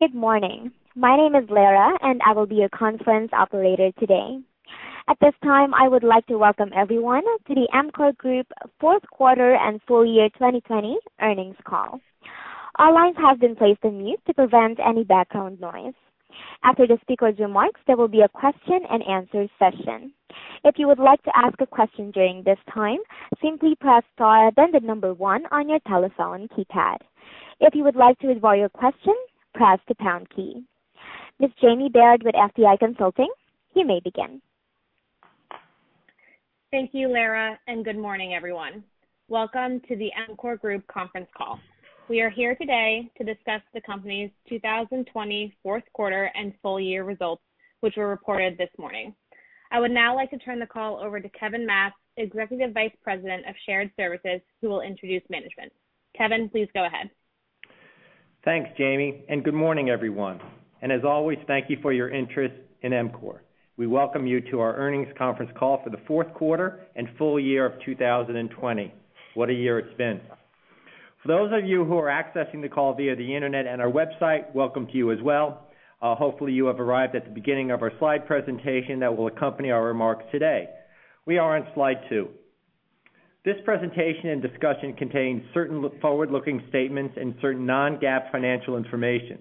Good morning. My name is Lara. I will be your conference operator today. At this time, I would like to welcome everyone. To the EMCOR Group Fourth Quarter and Full-Year 2020 Earnings Call. All lines have been placed on mute, to prevent any background noise. After the speaker's remarks, there will be a question-and-answer session. If you would like to ask a question during this time, simply press star. Then the number one on your telephone keypad. If you would like to withdraw your question, press the pound key. Ms. Jamie Baird with FTI Consulting, you may begin. Thank you, Lara. Good morning, everyone. Welcome to the EMCOR Group Conference Call. We are here today to discuss the company's 2020 Fourth Quarter and Full-Year Results, which were reported this morning. I would now like to turn the call over to Kevin Matz, Executive Vice President of Shared Services, who will introduce management. Kevin, please go ahead. Thanks, Jamie. Good morning, everyone. As always, thank you for your interest in EMCOR. We welcome you to our Earnings Conference Call, for the Fourth Quarter and Full-Year of 2020. What a year it's been. For those of you who are accessing the call via the internet, and our website, welcome to you as well. Hopefully, you have arrived at the beginning of our slide presentation, that will accompany our remarks today. We are on slide two. This presentation, and discussion contains certain forward-looking statements. And certain non-GAAP financial information.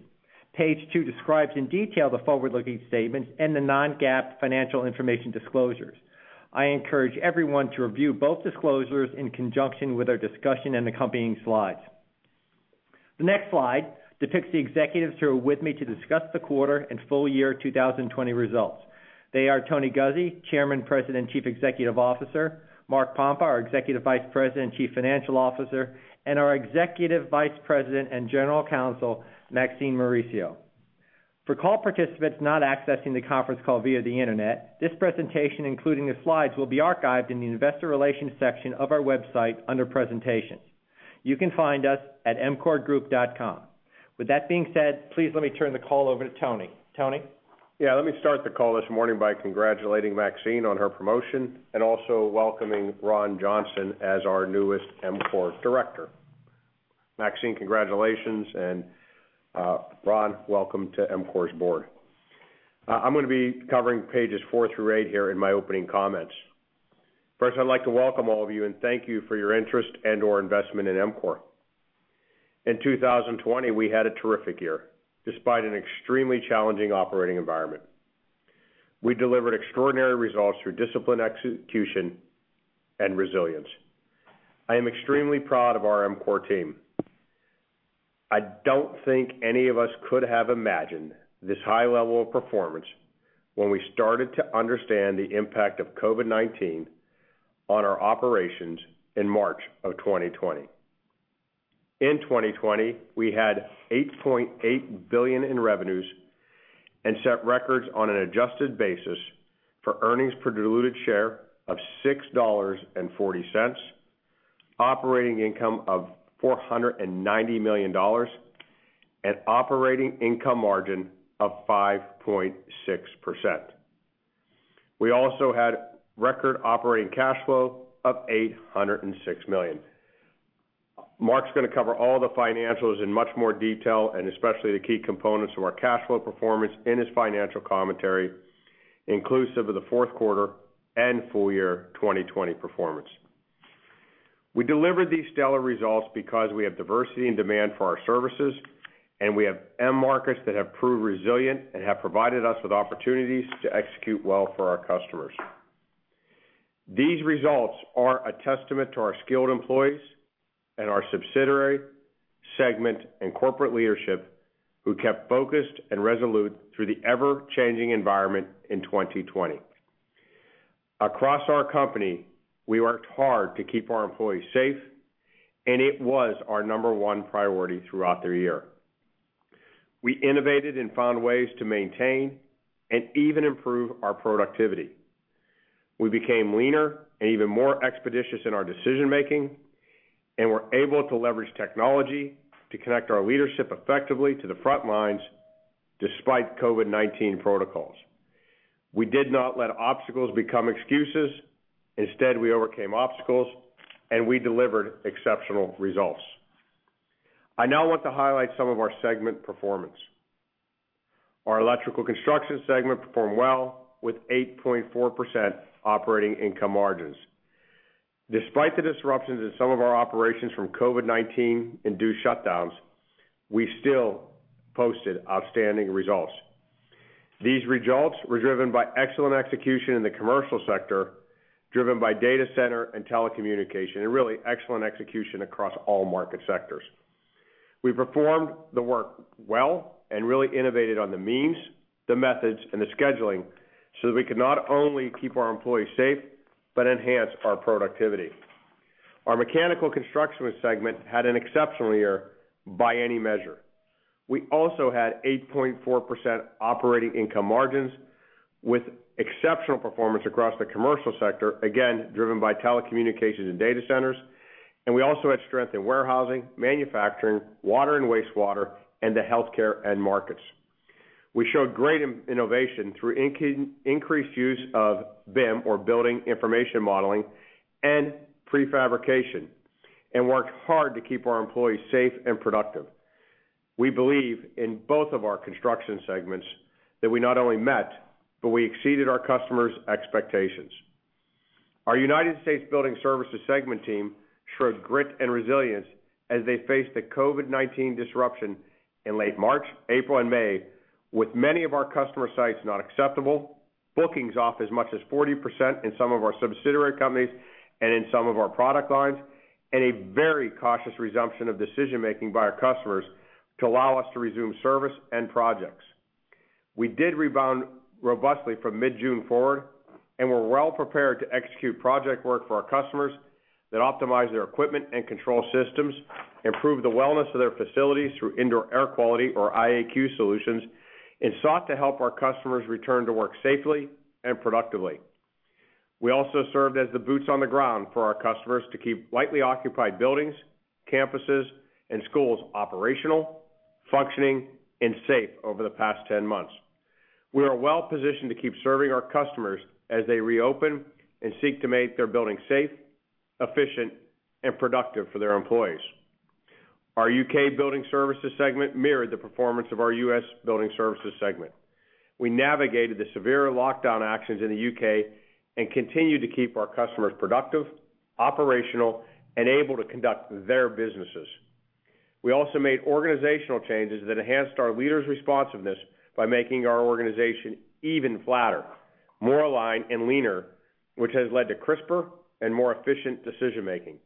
Page two describes in detail the forward-looking statements, and the non-GAAP financial information disclosures. I encourage everyone to review both disclosures. In conjunction with our discussion, and accompanying slides. The next slide depicts the executives who are with me. To discuss the quarter, and full year 2020 results. They are Tony Guzzi, Chairman, President, and Chief Executive Officer. Mark Pompa, our Executive Vice President and Chief Financial Officer. And our Executive Vice President and General Counsel, Maxine Mauricio. For call participants not accessing the conference call via the internet. This presentation, including the slides, will be archived in the Investor Relations section of our website under presentations. You can find us at emcorgroup.com. With that being said, please let me turn the call over to Tony. Tony? Let me start the call this morning, by congratulating Maxine on her promotion. And also welcoming Ron Johnson as our newest EMCOR Director. Maxine, congratulations, and Ron, welcome to EMCOR's Board. I'm going to be covering pages four through eight here in my opening comments. First, I'd like to welcome all of you, and thank you for your interest, and or investment in EMCOR. In 2020, we had a terrific year, despite an extremely challenging operating environment. We delivered extraordinary results through disciplined execution, and resilience. I am extremely proud of our EMCOR team. I don't think any of us could have imagined, this high level of performance. When we started to understand the impact of COVID-19. On our operations in March of 2020. In 2020, we had $8.8 billion in revenues, and set records on an adjusted basis. For earnings per diluted share of $6.40, operating income of $490 million. And operating income margin of 5.6%. We also had record operating cash flow of $806 million. Mark's going to cover all the financials, in much more detail. And especially, the key components of our cash flow performance in his financial commentary. Inclusive of the Fourth Quarter and Full-Year 2020 performance. We delivered these stellar results, because we have diversity in demand for our services. And we have end markets, that have proved resilient. And have provided us with opportunities, to execute well for our customers. These results are a testament to our skilled employees, and our subsidiary segment, and corporate leadership. Who kept focused, and resolute through the ever-changing environment in 2020. Across our company, we worked hard to keep our employees safe. And it was our number one priority throughout the year. We innovated and found ways to maintain, and even improve our productivity. We became leaner, and even more expeditious in our decision-making. And were able to leverage technology, to connect our leadership effectively to the front lines, despite COVID-19 protocols. We did not let obstacles become excuses. Instead, we overcame obstacles, and we delivered exceptional results. I now want to highlight some of our segment performance. Our Electrical Construction segment performed well, with 8.4% operating income margins. Despite the disruptions in some of our operations, from COVID-19 induced shutdowns. We still posted outstanding results. These results were driven, by excellent execution in the commercial sector. Driven by data center, and telecommunication. And really excellent execution across all market sectors. We performed the work well, and really innovated on the means. The methods, and the scheduling. So that we could not only keep our employees safe, but enhance our productivity. Our Mechanical Construction segment had an exceptional year by any measure. We also had 8.4% operating income margins, with exceptional performance across the commercial sector. Again, driven by telecommunications and data centers, and we also had strength in warehousing. Manufacturing, water and wastewater, and the healthcare end markets. We showed great innovation through increased use of BIM, or Building Information Modeling, and prefabrication. And worked hard to keep our employees safe, and productive. We believe in both of our Construction segments. That we not only met, but we exceeded our customers' expectations. Our United States Building Services segment team, showed grit and resilience. As they faced the COVID-19 disruption in late March, April, and May. With many of our customer sites not acceptable. Bookings off as much as 40% in some of our subsidiary companies, and in some of our product lines. And a very cautious resumption of decision-making by our customers. To allow us to resume service, and projects. We did rebound robustly, from mid-June forward. And we're well-prepared to execute project work for our customers. That optimize their equipment, and control systems. Improve the wellness of their facilities, through Indoor Air Quality or IAQ solutions. And sought to help our customers return to work safely, and productively. We also served as the boots on the ground. For our customers to keep lightly occupied buildings, campuses, and schools operational, functioning, and safe over the past 10 months. We are well-positioned, to keep serving our customers. As they reopen, and seek to make their buildings safe, efficient, and productive for their employees. Our U.K. Building Services segment, mirrored the performance of our U.S. Building Services segment. We navigated the severe lockdown actions in the U.K., and continued to keep our customers productive, operational, and able to conduct their businesses. We also made organizational changes, that enhanced our leaders' responsiveness. By making our organization even flatter, more aligned, and leaner. Which has led to crisper, and more efficient decision-making.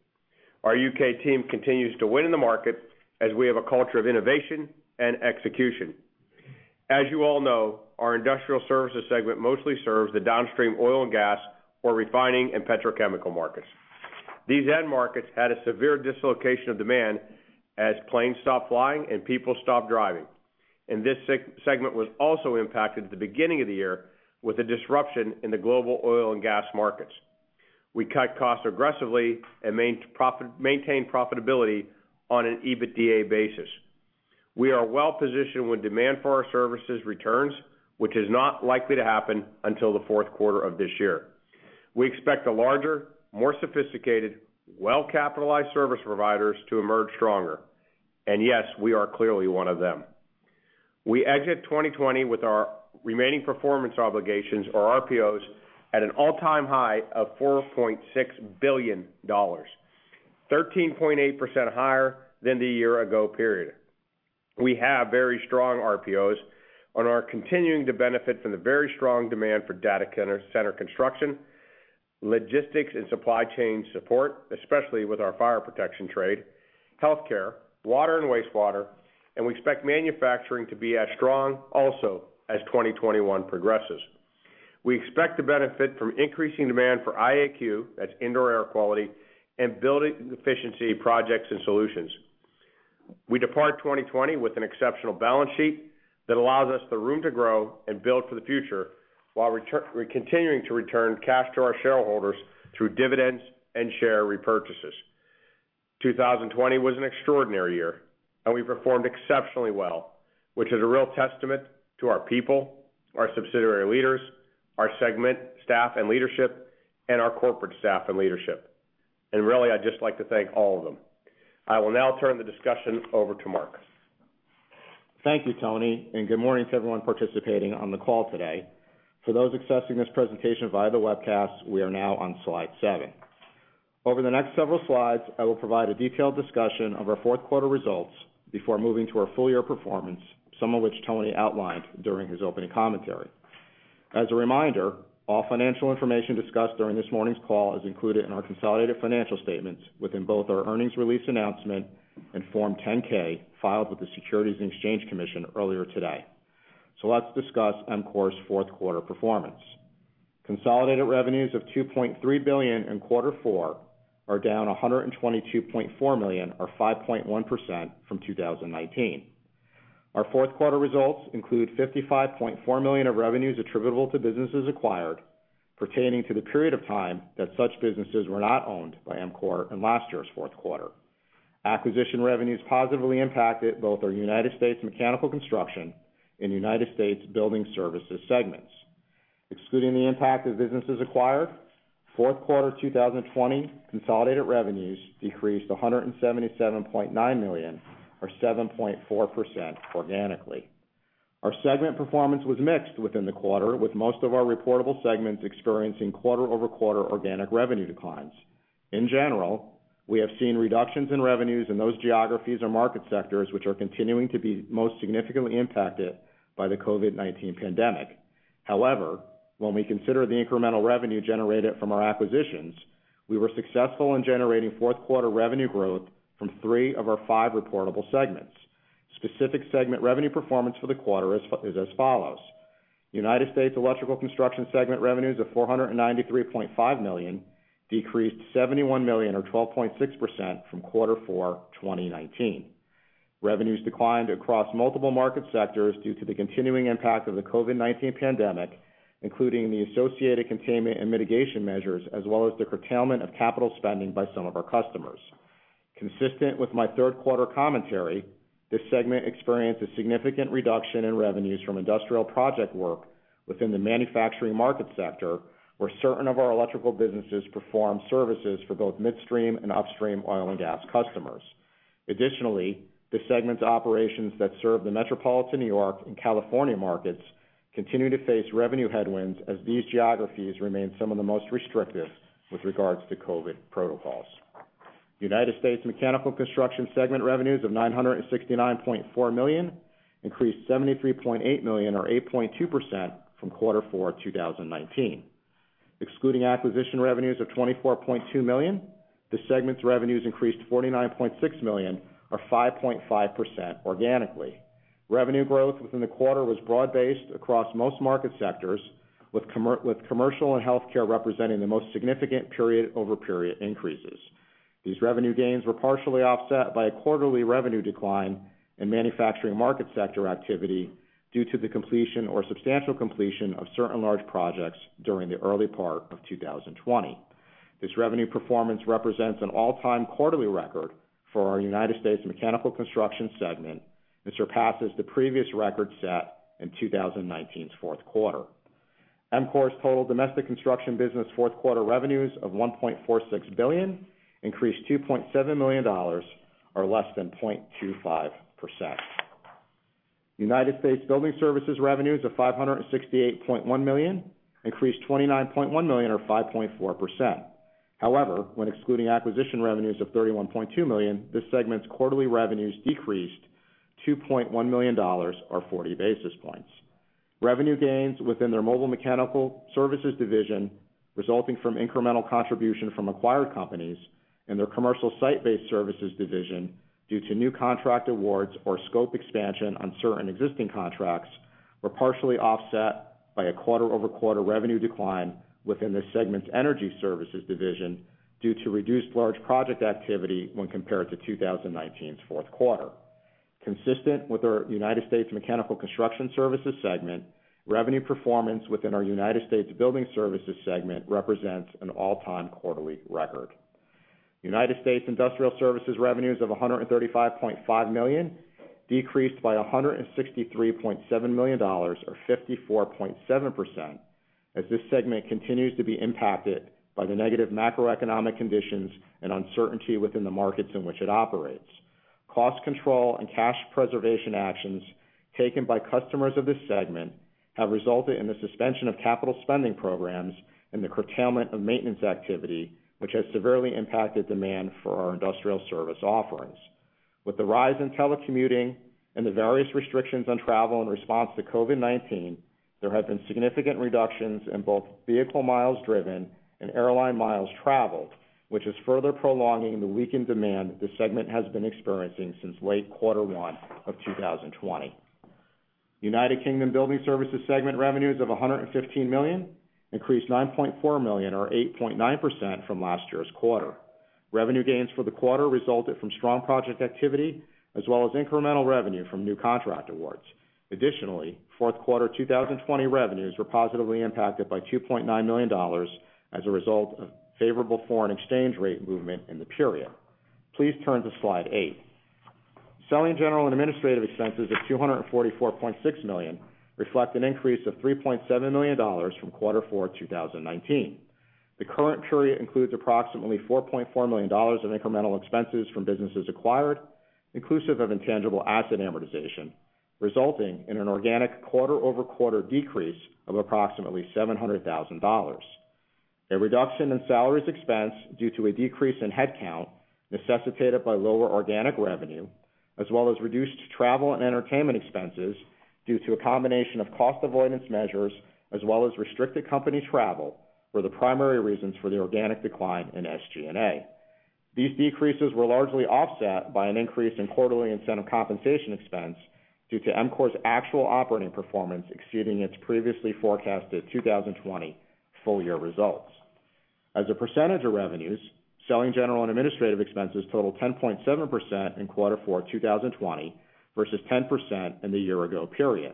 Our U.K. team continues to win in the market, as we have a culture of innovation and execution. As you all know, our Industrial Services segment mostly serves the downstream oil, and gas. Or refining, and petrochemical markets. These end markets had a severe dislocation of demand. As planes stopped flying, and people stopped driving. This segment was also impacted at the beginning of the year. With a disruption in the global oil, and gas markets. We cut costs aggressively, and maintained profitability on an EBITDA basis. We are well-positioned, when demand for our services returns. Which is not likely to happen, until the fourth quarter of this year. We expect the larger, more sophisticated. Well-capitalized service providers to emerge stronger. Yes, we are clearly one of them. We exit 2020 with our remaining performance obligations, or RPOs. At an all-time high of $4.6 billion, 13.8% higher than the year-ago period. We have very strong RPOs, and are continuing to benefit. From the very strong demand for data center construction, logistics, and supply chain support. Especially with our fire protection trade, healthcare, water and wastewater. And we expect manufacturing to be as strong, also as 2021 progresses. We expect to benefit from increasing demand for IAQ, that's Indoor Air Quality. And building efficiency projects, and solutions. We depart 2020 with an exceptional balance sheet. That allows us the room to grow, and build for the future. While continuing to return cash to our shareholders. Through dividends, and share repurchases. 2020 was an extraordinary year, and we performed exceptionally well. Which is a real testament to our people. Our subsidiary leaders, our segment staff and leadership. And our corporate staff, and leadership. Really, I'd just like to thank all of them. I will now turn the discussion over to Mark. Thank you, Tony, and good morning to everyone participating on the call today. For those accessing this presentation via the webcast. We are now on slide seven. Over the next several slides, I will provide a detailed discussion of our fourth quarter results. Before moving to our full-year performance, some of which Tony outlined during his opening commentary. As a reminder, all financial information discussed during this morning's call, is included in our consolidated financial statements. Within both our earnings release announcement, and Form 10-K filed with the Securities and Exchange Commission earlier today. Let's discuss EMCOR's fourth quarter performance. Consolidated revenues of $2.3 billion in quarter four, are down $122.4 million or 5.1% from 2019. Our fourth quarter results include $55.4 million of revenues. Attributable to businesses acquired, pertaining to the period of time. That such businesses were not owned, by EMCOR in last year's fourth quarter. Acquisition revenues positively impacted, both our United States Mechanical Construction and United States Building Services segments. Excluding the impact of businesses acquired, fourth quarter 2020 consolidated revenues. Decreased to $177.9 million or 7.4% organically. Our segment performance was mixed within the quarter. With most of our reportable segments, experiencing quarter-over-quarter organic revenue declines. In general, we have seen reductions in revenues in those geographies or market sectors. Which are continuing to be most significantly impacted, by the COVID-19 pandemic. However, when we consider the incremental revenue generated from our acquisitions. We were successful in generating fourth quarter revenue growth, from three of our five reportable segments. Specific segment revenue performance for the quarter is as follows. United States Electrical Construction segment revenues of $493.5 million, decreased $71 million or 12.6% from quarter four 2019. Revenues declined across multiple market sectors, due to the continuing impact of the COVID-19 pandemic. Including the associated containment, and mitigation measures. As well as the curtailment of capital spending by some of our customers. Consistent with my third quarter commentary. This segment experienced a significant reduction, in revenues from industrial project work. Within the manufacturing market sector, where certain of our Electrical businesses perform services. For both midstream and upstream, oil and gas customers. Additionally, this segment's operations that serve the metropolitan New York, and California markets. Continue to face revenue headwinds, as these geographies remain some of the most restrictive, with regards to COVID protocols. United States Mechanical Construction segment revenues of $969.4 million, increased $73.8 million or 8.2% from quarter four 2019. Excluding acquisition revenues of $24.2 million, this segment's revenues increased $49.6 million or 5.5% organically. Revenue growth within the quarter, was broad-based across most market sectors. With commercial and healthcare representing the most significant period-over-period increases. These revenue gains were partially offset, by a quarterly revenue decline. In manufacturing market sector activity, due to the completion. Or substantial completion of certain large projects, during the early part of 2020. This revenue performance represents an all-time quarterly record. For our United States Mechanical Construction segment, and surpasses the previous record set in 2019's fourth quarter. EMCOR's total domestic construction business fourth quarter revenues of $1.46 billion, increased $2.7 million or less than 0.25%. United States Building Services revenues of $568.1 million, increased $29.1 million or 5.4%. However, when excluding acquisition revenues of $31.2 million. This segment's quarterly revenues decreased, to $2.1 million or 40 basis points. Revenue gains within their Mobile Mechanical Services Division. Resulting from incremental contribution from acquired companies. And their commercial site-based services division, due to new contract awards. Or scope expansion on certain existing contracts. Were partially offset, by a quarter-over-quarter revenue decline. Within this segment's energy services division, due to reduced large project activity. When compared to 2019's fourth quarter. Consistent with our United States Mechanical Construction segment. Revenue performance within our United States Building Services segment, represents an all-time quarterly record. United States Industrial Services revenues of $135.5 million, decreased by $163.7 million or 54.7%. As this segment continues to be impacted, by the negative macroeconomic conditions. And uncertainty, within the markets in which it operates. Cost control, and cash preservation actions taken by customers of this segment. Have resulted in the suspension of capital spending programs, and the curtailment of maintenance activity. Which has severely impacted demand, for our Industrial Service offerings. With the rise in telecommuting, and the various restrictions on travel in response to COVID-19. There have been significant reductions, in both vehicle miles driven, and airline miles traveled. Which is further prolonging the weakened demand, this segment has been experiencing, since late quarter one of 2020. United Kingdom Building Services segment revenues of $115 million, increased $9.4 million or 8.9% from last year's quarter. Revenue gains for the quarter, resulted from strong project activity. As well as incremental revenue, from new contract awards. Additionally, fourth quarter 2020 revenues, were positively impacted by $2.9 million. As a result of, favorable foreign exchange rate movement in the period. Please turn to slide eight. Selling, general, and administrative expenses of $244.6 million. Reflect an increase of $3.7 million, from quarter four 2019. The current period includes approximately, $4.4 million of incremental expenses from businesses acquired. Inclusive of intangible asset amortization, resulting in an organic quarter-over-quarter decrease, of approximately $700,000. A reduction in salaries expense, due to a decrease in headcount. Necessitated by lower organic revenue, as well as reduced travel, and entertainment expenses. Due to a combination of cost avoidance measures, as well as restricted company travel. Were the primary reasons for the organic decline in SG&A. These decreases were largely offset, by an increase in quarterly incentive compensation expense. Due to EMCOR's actual operating performance, exceeding its previously forecasted 2020 full-year results. As a percentage of revenues, selling, general, and administrative expenses totaled 10.7% in quarter four 2020, versus 10% in the year-ago period.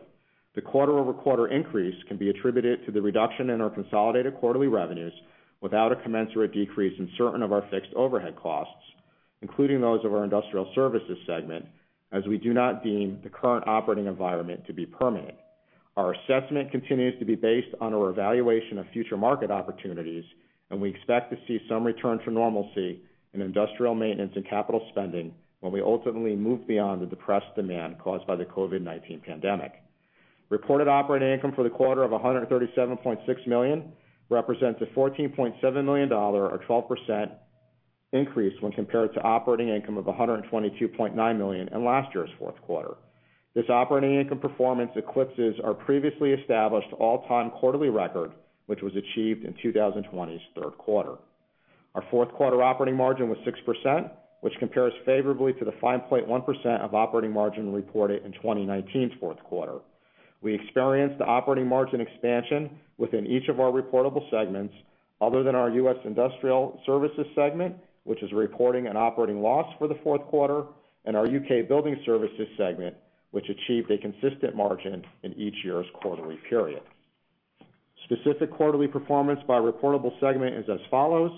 The quarter-over-quarter increase, can be attributed to the reduction, in our consolidated quarterly revenues. Without a commensurate decrease, in certain of our fixed overhead costs. Including those of our Industrial Services segment. As we do not deem, the current operating environment to be permanent. Our assessment continues to be based, on our evaluation of future market opportunities. And we expect to see some return to normalcy. In industrial maintenance, and capital spending. When we ultimately move beyond the depressed demand, caused by the COVID-19 pandemic. Reported operating income for the quarter of $137.6 million, represents a $14.7 million or 12% increase. When compared to operating income of $122.9 million, in last year's fourth quarter. This operating income performance eclipses, our previously established all-time quarterly record. Which was achieved in 2020's third quarter. Our fourth quarter operating margin was 6%. Which compares favorably, to the 5.1% of operating margin reported in 2019's fourth quarter. We experienced operating margin expansion, within each of our reportable segments. Other than our U.S. Industrial Services segment, which is reporting an operating loss for the fourth quarter. And our U.K. Building Services segment, which achieved a consistent margin. In each year's quarterly period. Specific quarterly performance, by reportable segment is as follows.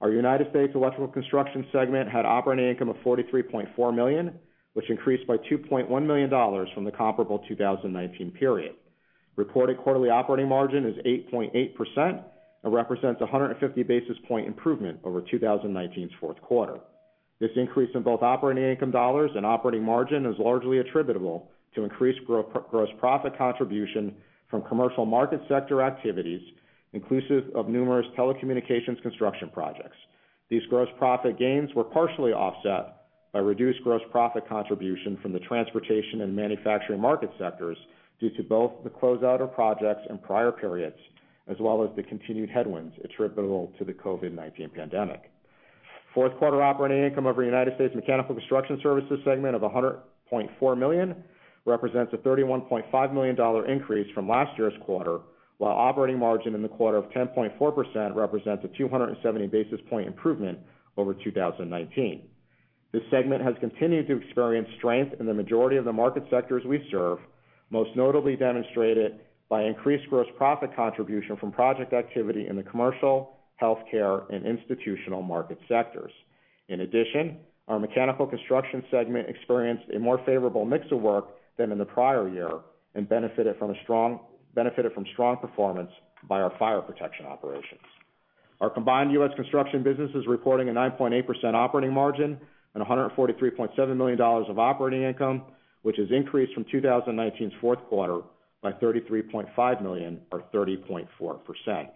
Our United States Electrical Construction segment, had operating income of $43.4 million. Which increased by $2.1 million, from the comparable 2019 period. Reported quarterly operating margin is 8.8%, and represents 150 basis points improvement over 2019's fourth quarter. This increase in both operating income dollars, and operating margin is largely attributable. To increased gross profit contribution, from commercial market sector activities. Inclusive of numerous telecommunications construction projects. These gross profit gains, were partially offset. By reduced gross profit contribution from the transportation, and manufacturing market sectors. Due to both the closeout of projects in prior periods. As well as the continued headwinds, attributable to the COVID-19 pandemic. Fourth quarter operating income, of our United States Mechanical Construction Services segment of $100.4 million. Represents a $31.5 million increase, from last year's quarter. While operating margin in the quarter of 10.4%, represents a 270 basis point improvement over 2019. This segment has continued to experience strength, in the majority of the market sectors we serve. Most notably demonstrated, by increased gross profit contribution. From project activity in the commercial, healthcare, and institutional market sectors. In addition, our Mechanical Construction segment experienced a more favorable mix of work. Than in the prior year, and benefited from strong performance, by our fire protection operations. Our combined U.S. Construction business is reporting a 9.8% operating margin, and $143.7 million of operating income. Which has increased from 2019's fourth quarter, by $33.5 million or 30.4%.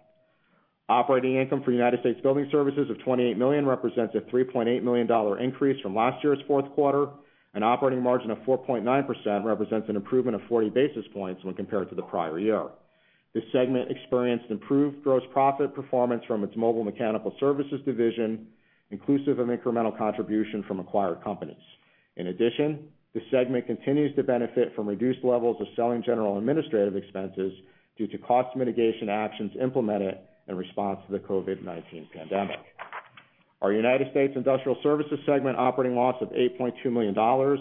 Operating income for United States Building Services of $28 million. Represents a $3.8 million increase, from last year's fourth quarter. An operating margin of 4.9%, represents an improvement of 40 basis points. When compared to the prior year. This segment experienced improved gross profit performance, from its Mobile Mechanical Services division. Inclusive of incremental contribution from acquired companies. In addition, this segment continues to benefit. From reduced levels of selling, general, administrative expenses. Due to cost mitigation actions, implemented in response to the COVID-19 pandemic. Our United States Industrial Services segment operating loss of $8.2 million,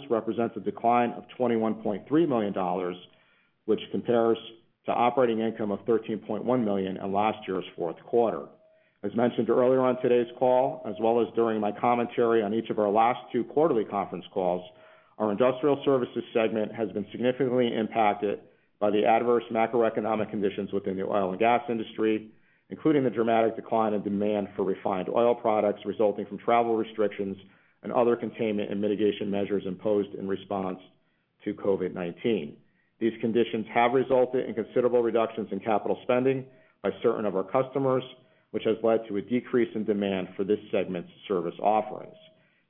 represents a decline of $21.3 million. Which compares to operating income of $13.1 million, in last year's fourth quarter. As mentioned earlier on today's call, as well as during my commentary. On each of our last two quarterly conference calls. Our Industrial Services segment, has been significantly impacted. By the adverse macroeconomic conditions, within the oil and gas industry. Including the dramatic decline, in demand for refined oil products. Resulting from travel restrictions, and other containment. And mitigation measures imposed, in response to COVID-19. These conditions have resulted in considerable reductions in capital spending, by certain of our customers. Which has led to a decrease in demand, for this segment's service offerings.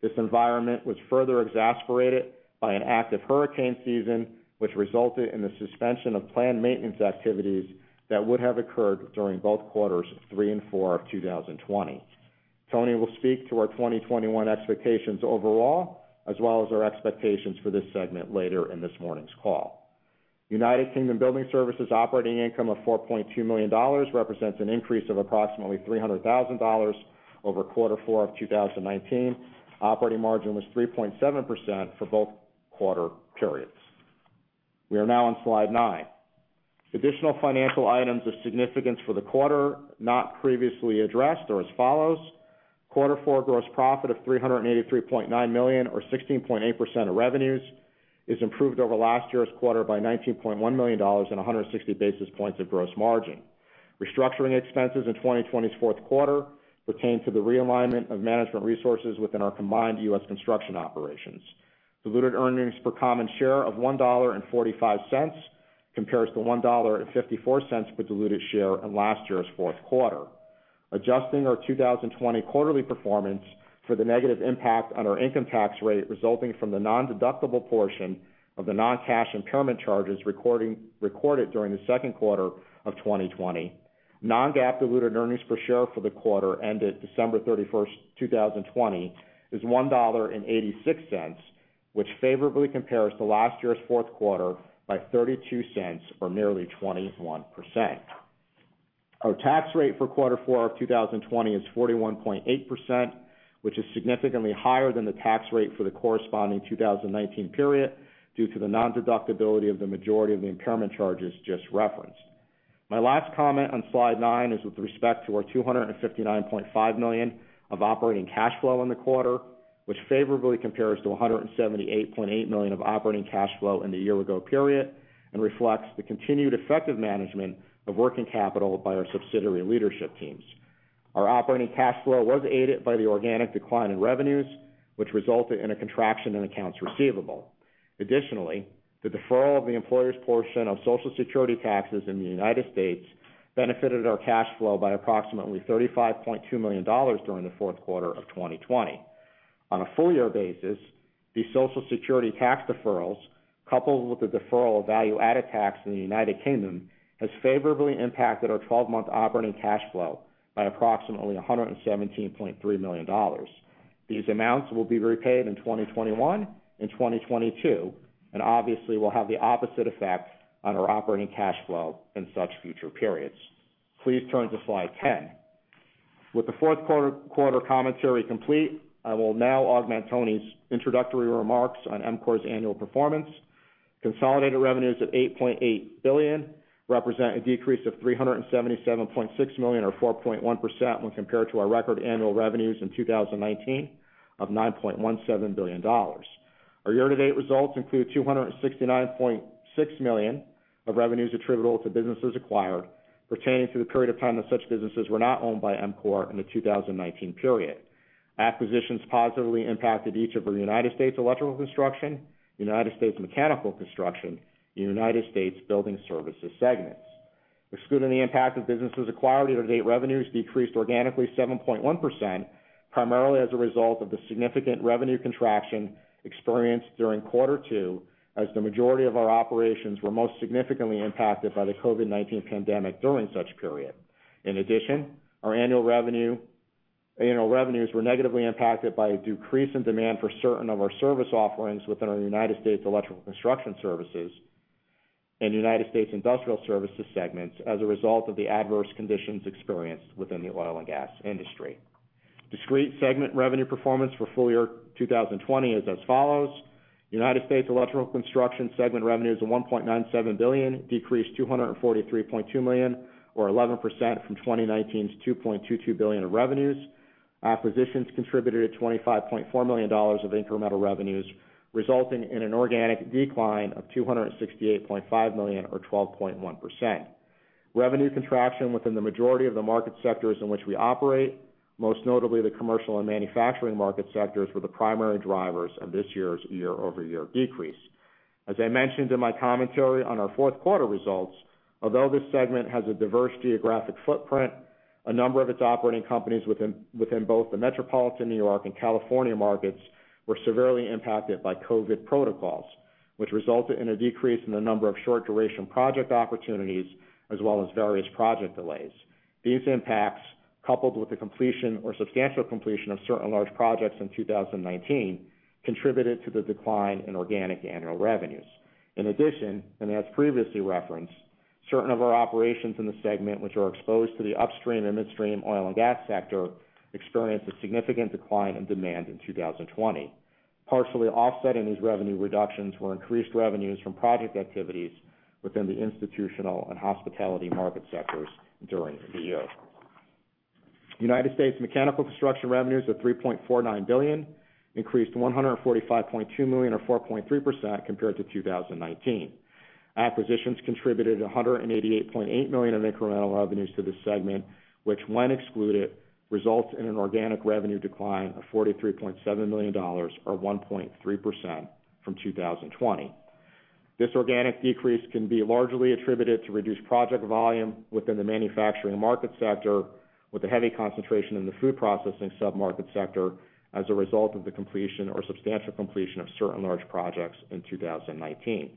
This environment was further exacerbated, by an active hurricane season. Which resulted in the suspension of planned maintenance activities. That would have occurred, during both quarters three and four of 2020. Tony will speak, to our 2021 expectations overall. As well as our expectations, for this segment later in this morning's call. United Kingdom Building Services operating income of $4.2 million. Represents an increase of approximately, $300,000 over quarter four of 2019. Operating margin was 3.7%, for both quarter periods. We are now on slide nine. Additional financial items of significance for the quarter, not previously addressed are as follows. Quarter four gross profit of $383.9 million, or 16.8% of revenues. Is improved over last year's quarter by $19.1 million, and 160 basis points of gross margin. Restructuring expenses in 2020's fourth quarter. Pertain to the realignment of management resources, within our combined U.S. Construction operations. Diluted earnings per common share of $1.45, compares to $1.54 per diluted share in last year's fourth quarter. Adjusting our 2020 quarterly performance, for the negative impact on our income tax rate. Resulting from the non-deductible portion, of the non-cash impairment charges. Recorded during the second quarter of 2020. Non-GAAP diluted earnings per share for the quarter, ended December 31st, 2020 is $1.86. Which favorably compares to last year's fourth quarter, by $0.32 or nearly 21%. Our tax rate for quarter four of 2020 is 41.8%. Which is significantly higher, than the tax rate for the corresponding 2019 period. Due to the non-deductibility, of the majority of the impairment charges just referenced. My last comment on slide nine, is with respect to our $259.5 million, of operating cash flow in the quarter. Which favorably compares, to $178.8 million of operating cash flow in the year ago period. And reflects the continued effective management, of working capital by our subsidiary leadership teams. Our operating cash flow, was aided by the organic decline in revenues. Which resulted in a contraction, in accounts receivable. Additionally, the deferral of the employer's portion of Social Security taxes in the United States. Benefited our cash flow by approximately, $35.2 million during the fourth quarter of 2020. On a full year basis, these Social Security tax deferrals. Coupled with the deferral of value-added tax in the United Kingdom. Has favorably impacted our 12-month operating cash flow, by approximately $117.3 million. These amounts will be repaid in 2021 and 2022. And obviously, will have the opposite effect on our operating cash flow in such future periods. Please turn to slide 10. With the fourth quarter commentary complete. I will now augment Tony's introductory remarks, on EMCOR's annual performance. Consolidated revenues at $8.8 billion, represent a decrease of $377.6 million or 4.1%. When compared to our record annual revenues in 2019 of $9.17 billion. Our year-to-date results include $269.6 million, of revenues attributable to businesses acquired. Pertaining to the period of time, that such businesses were not owned by EMCOR in the 2019 period. Acquisitions positively impacted each of our United States Electrical Construction. United States Mechanical Construction, and United States Building Services segments. Excluding the impact of businesses acquired, year-to-date revenues decreased organically 7.1%. Primarily as a result of the significant revenue contraction. Experienced during quarter two, as the majority of our operations. Were most significantly impacted, by the COVID-19 pandemic during such period. In addition, our annual revenues were negatively impacted. By a decrease in demand for certain of our service offerings. Within our United States Electrical Construction Services, and United States Industrial Services segments. As a result of the adverse conditions experienced, within the oil and gas industry. Discrete segment revenue performance, for full year 2020 is as follows. United States Electrical Construction segment revenues of $1.97 billion. Decreased $243.2 million or 11%, from 2019's $2.22 billion of revenues. Acquisitions contributed $25.4 million of incremental revenues. Resulting in an organic decline of $268.5 million or 12.1%. Revenue contraction within the majority of the market sectors, in which we operate. Most notably the commercial, and manufacturing market sectors. Were the primary drivers, of this year's year-over-year decrease. As I mentioned in my commentary on our fourth quarter results. Although this segment, has a diverse geographic footprint. A number of its operating companies, within both the metropolitan New York, and California markets. Were severely impacted by COVID protocols. Which resulted in a decrease, in the number of short-duration project opportunities. As well as various project delays. These impacts, coupled with the completion. Or substantial completion of certain large projects in 2019. Contributed to the decline, in organic annual revenues. In addition, and as previously referenced. Certain of our operations in the segment. Which are exposed to the upstream and midstream, oil and gas sector. Experienced a significant decline in demand in 2020. Partially offsetting these revenue reductions, were increased revenues from project activities. Within the institutional, and hospitality market sectors during the year. United States Mechanical Construction revenues of $3.49 billion. Increased to $145.2 million or 4.3%, compared to 2019. Acquisitions contributed $188.8 million, of incremental revenues to this segment. Which when excluded, results in an organic revenue decline of $43.7 million or 1.3% from 2020. This organic decrease, can be largely attributed to reduced project volume. Within the manufacturing market sector, with a heavy concentration in the food processing sub-market sector. As a result of the completion or substantial completion, of certain large projects in 2019.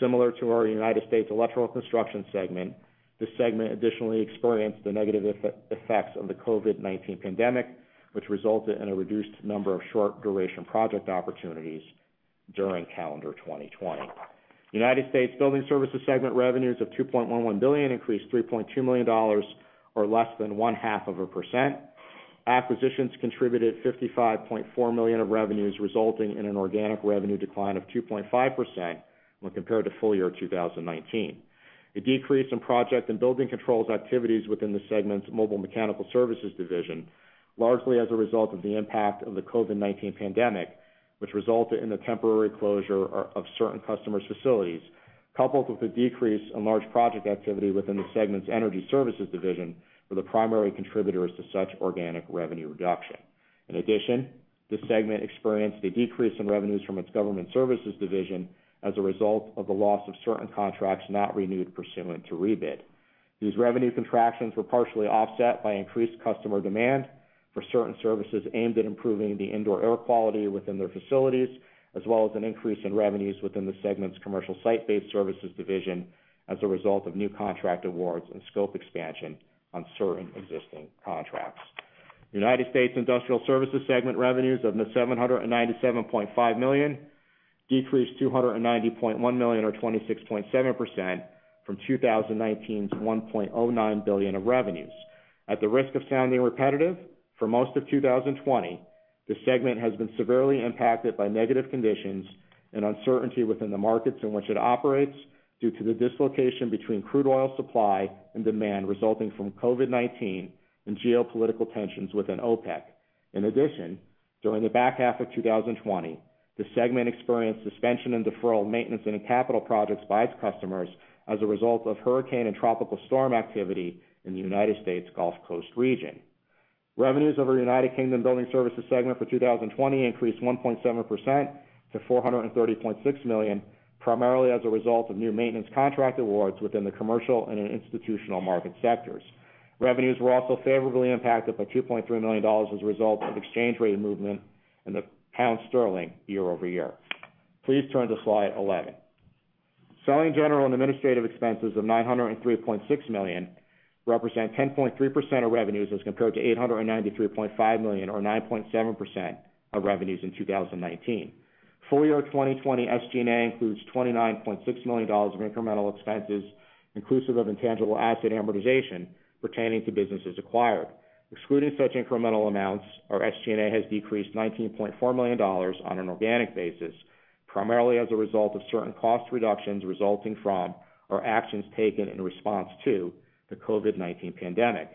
Similar to our United States Electrical Construction segment. This segment additionally experienced, the negative effects of the COVID-19 pandemic. Which resulted in a reduced number, of short-duration project opportunities during calendar 2020. United States Building Services segment revenues of $2.11 billion. Increased $3.2 million or less than 1/2 of a percent. Acquisitions contributed $55.4 million of revenues, resulting in an organic revenue decline of 2.5%. When compared to full year 2019. A decrease in project, and building controls activities. Within the segment's Mobile Mechanical Services Division, largely as a result of the impact of the COVID-19 pandemic. Which resulted in the temporary closure of certain customers' facilities. Coupled with the decrease in large project activity, within the segment's energy services division. Were the primary contributors, to such organic revenue reduction. In addition, this segment experienced a decrease. In revenues from its government services division. As a result of the loss of certain contracts, not renewed pursuant to rebid. These revenue contractions, were partially offset by increased customer demand. For certain services aimed, at improving the Indoor Air Quality within their facilities. As well as an increase in revenues, within the segment's commercial site-based services division. As a result of new contract awards, and scope expansion on certain existing contracts. United States Industrial Services segment revenues of $797.5 million, decreased $290.1 million or 26.7%, from 2019's $1.09 billion of revenues. At the risk of sounding repetitive, for most of 2020. This segment has been severely impacted, by negative conditions. And uncertainty within the markets, in which it operates. Due to the dislocation between crude oil supply. And demand resulting from COVID-19, and geopolitical tensions within OPEC. In addition, during the back half of 2020. The segment experienced suspension, and deferral of maintenance, and capital projects by its customers. As a result of hurricane, and tropical storm activity. In the United States Gulf Coast region. Revenues of our United Kingdom Building Services segment for 2020, increased 1.7% to $430.6 million. Primarily, as a result of new maintenance contract awards. Within the commercial, and institutional market sectors. Revenues were also favorably impacted by $2.3 million, as a result of exchange rate movement, in the pound sterling year-over-year. Please turn to slide 11. Selling, general, and administrative expenses of $903.6 million. Represent 10.3% of revenues, as compared to $893.5 million or 9.7% of revenues in 2019. Full year 2020 SG&A, includes $29.6 million of incremental expenses. Inclusive of intangible asset amortization, pertaining to businesses acquired. Excluding such incremental amounts, our SG&A has decreased $19.4 million, on an organic basis. Primarily, as a result of certain cost reductions resulting from, or actions taken in response to, the COVID-19 pandemic.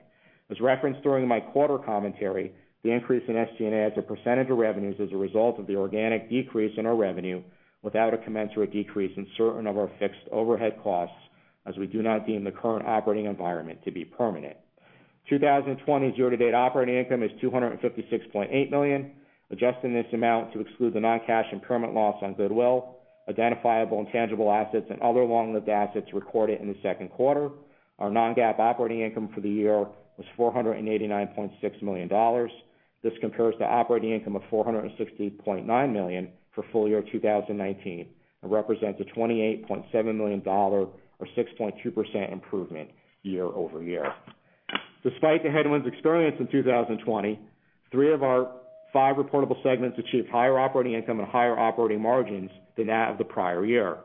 As referenced during my quarter commentary. The increase in SG&A as a percentage of revenues, is a result of the organic decrease in our revenue. Without a commensurate decrease, in certain of our fixed overhead costs. As we do not deem, the current operating environment to be permanent. 2020 year-to-date operating income is $256.8 million. Adjusting this amount to exclude, the non-cash impairment loss on goodwill. Identifiable intangible assets, and other long-lived assets recorded in the second quarter. Our non-GAAP operating income for the year was $489.6 million. This compares to operating income of $460.9 million. For full year 2019, and represents a $28.7 million, or 6.2% improvement year-over-year. Despite the headwinds experienced in 2020. Three of our five reportable segments, achieved higher operating income. And higher operating margins, than that of the prior year.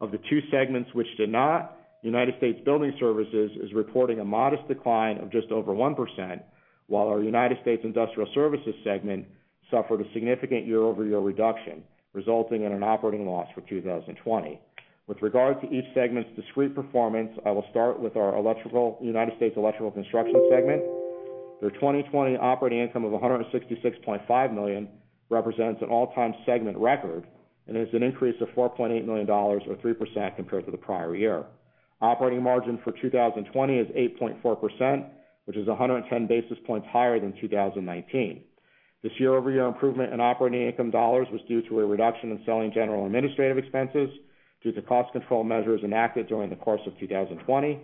Of the two segments, which did not. United States Building Services, is reporting a modest decline of just over 1%. While our United States Industrial Services segment, suffered a significant year-over-year reduction. Resulting in an operating loss for 2020. With regard to each segment's discrete performance. I will start with our United States Electrical Construction segment. Their 2020 operating income of $166.5 million, represents an all-time segment record. And is an increase of $4.8 million, or 3%, compared to the prior year. Operating margin for 2020 is 8.4%, which is 110 basis points higher than 2019. This year-over-year improvement in operating income dollars. Was due to a reduction in selling, general, administrative expenses. Due to cost control measures enacted, during the course of 2020.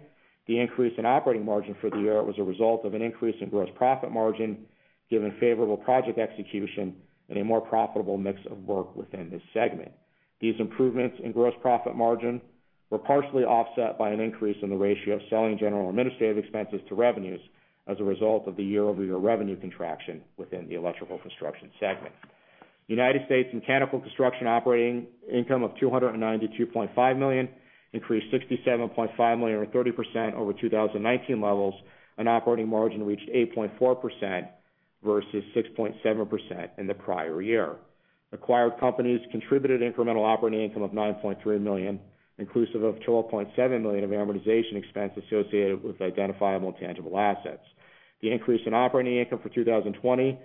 The increase in operating margin for the year, was a result of an increase in gross profit margin. Given favorable project execution, and a more profitable mix of work within this segment. These improvements in gross profit margin, were partially offset. By an increase in the ratio of selling, general, administrative expenses to revenues. As a result of the year-over-year revenue contraction, within the Electrical Construction segment. United States Mechanical Construction operating income of $292.5 million, increased $67.5 million or 30% over 2019 levels. And operating margin reached 8.4%, versus 6.7% in the prior year. Acquired companies contributed incremental operating income of $9.3 million. Inclusive of $12.7 million of amortization expense, associated with identifiable intangible assets. The increase in operating income for 2020, was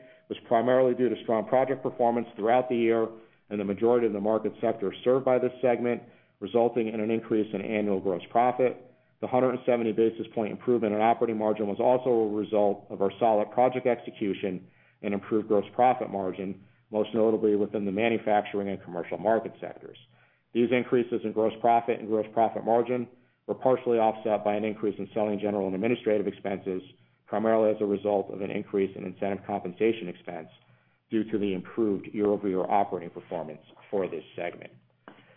primarily due to strong project performance throughout the year. In the majority of the market sectors served by this segment, resulting in an increase in annual gross profit. The 170 basis point improvement in operating margin, was also a result of our solid project execution. And improved gross profit margin, most notably within the manufacturing, and commercial market sectors. These increases in gross profit, and gross profit margin. Were partially offset, by an increase in selling, general, and administrative expenses. Primarily, as a result of an increase in incentive compensation expense. Due to the improved year-over-year operating performance for this segment.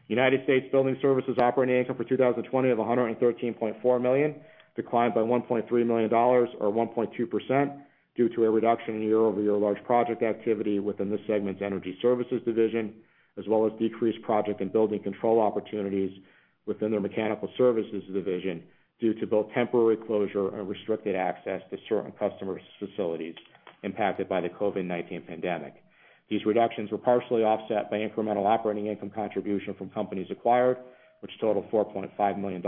United States Building Services operating income for 2020 of $113.4 million. Declined by $1.3 million or 1.2%, due to a reduction in year-over-year large project activity. Within this segment's energy services division, as well as decreased project, and building control opportunities. Within their mechanical services division, due to both temporary closure, and restricted access. To certain customers' facilities, impacted by the COVID-19 pandemic. These reductions were partially offset, by incremental operating income contribution. From companies acquired, which totaled $4.5 million.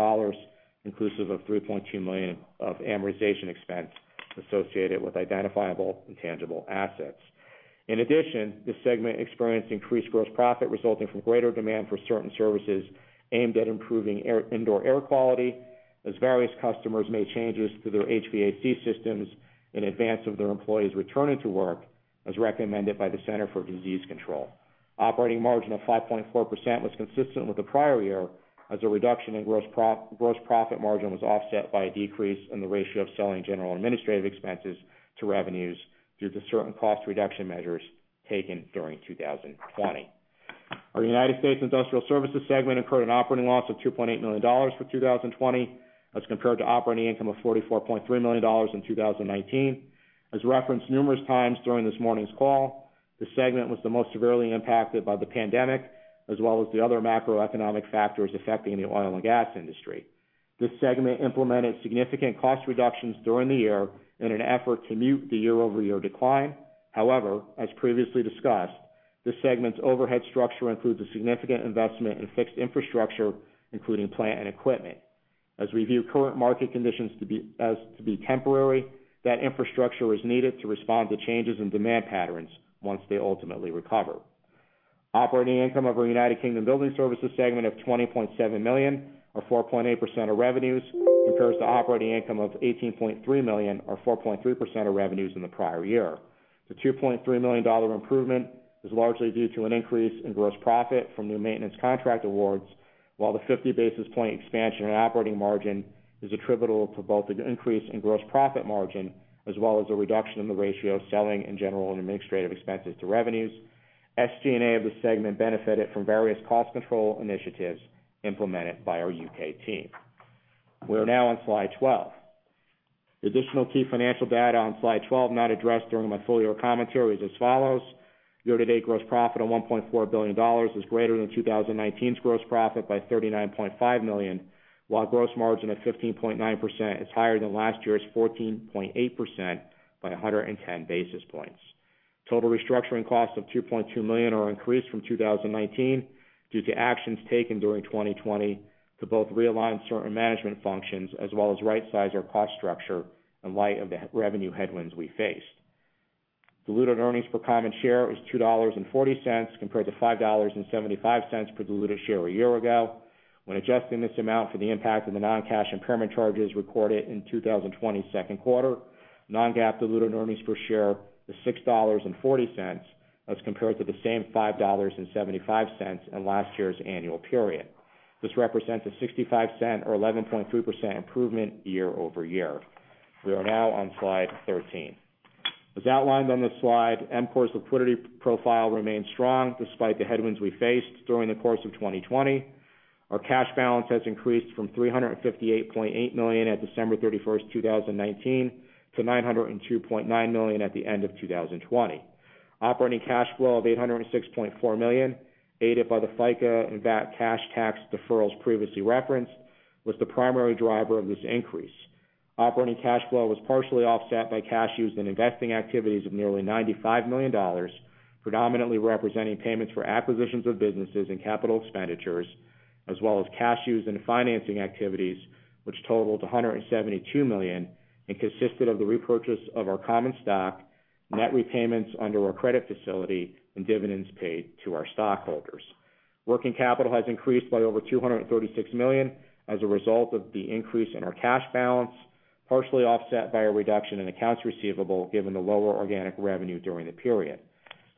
Inclusive of $3.2 million of amortization expense, associated with identifiable intangible assets. In addition, this segment experienced increased gross profit. Resulting from greater demand for certain services. Aimed at improving Indoor Air Quality, as various customers made changes to their HVAC systems. In advance of their employees returning to work. As recommended by the Center for Disease Control. Operating margin of 5.4%, was consistent with the prior year. As a reduction in gross profit margin, was offset by a decrease in the ratio of selling, general, administrative expenses. To revenues, due to certain cost reduction measures taken during 2020. Our United States Industrial Services segment, incurred an operating loss of $2.8 million for 2020. As compared to operating income of $44.3 million in 2019. As referenced numerous times, during this morning's call. This segment was the most severely impacted by the pandemic. As well as the other macroeconomic factors affecting the oil, and gas industry. This segment implemented significant cost reductions. During the year, in an effort to mute the year-over-year decline. However, as previously discussed, this segment's overhead structure. Includes a significant investment, in fixed infrastructure including plant, and equipment. As we view current market conditions to be temporary. That infrastructure is needed to respond. To changes in demand patterns, once they ultimately recover. Operating income of our United Kingdom Building Services segment of $20.7 million, or 4.8% of revenues. Compares to operating income of $18.3 million, or 4.3% of revenues in the prior year. The $2.3 million improvement is largely due, to an increase in gross profit from new maintenance contract awards. While the 50 basis point expansion in operating margin. Is attributable to both an increase in gross profit margin. As well as a reduction in the ratio of selling, and general administrative expenses to revenues. SG&A of the segment benefited from various cost control initiatives, implemented by our U.K. team. We're now on slide 12. Additional key financial data on slide 12, not addressed during my full-year commentary is as follows. Year-to-date gross profit of $1.4 billion, is greater than 2019's gross profit by $39.5 million. While gross margin of 15.9%, is higher than last year's 14.8%, by 110 basis points. Total restructuring costs of $2.2 million, are increased from 2019. Due to actions taken during 2020, to both realign certain management functions. As well as right-size our cost structure, in light of the revenue headwinds we faced. Diluted earnings per common share is $2.40, compared to $5.75 per diluted share a year ago. When adjusting this amount, for the impact of the non-cash impairment charges recorded, in 2020's second quarter. Non-GAAP diluted earnings per share is $6.40, as compared to the same $5.75 in last year's annual period. This represents a $0.65, or 11.3% improvement year-over-year. We are now on slide 13. As outlined on this slide, EMCOR's liquidity profile remains strong. Despite the headwinds we faced, during the course of 2020. Our cash balance has increased, from $358.8 million at December 31st, 2019, to $902.9 million at the end of 2020. Operating cash flow of $806.4 million. Aided by the FICA, and VAT cash tax deferrals previously referenced. Was the primary driver of this increase. Operating cash flow was partially offset, by cash used in investing activities of nearly $95 million. Predominantly, representing payments for acquisitions of businesses, and capital expenditures. As well as cash used in financing activities. Which totaled to $172 million, and consisted of the repurchase of our common stock. Net repayments under our credit facility, and dividends paid to our stockholders. Working capital has increased, by over $236 million. As a result of the increase in our cash balance. Partially, offset by a reduction in accounts receivable. Given the lower organic revenue during the period.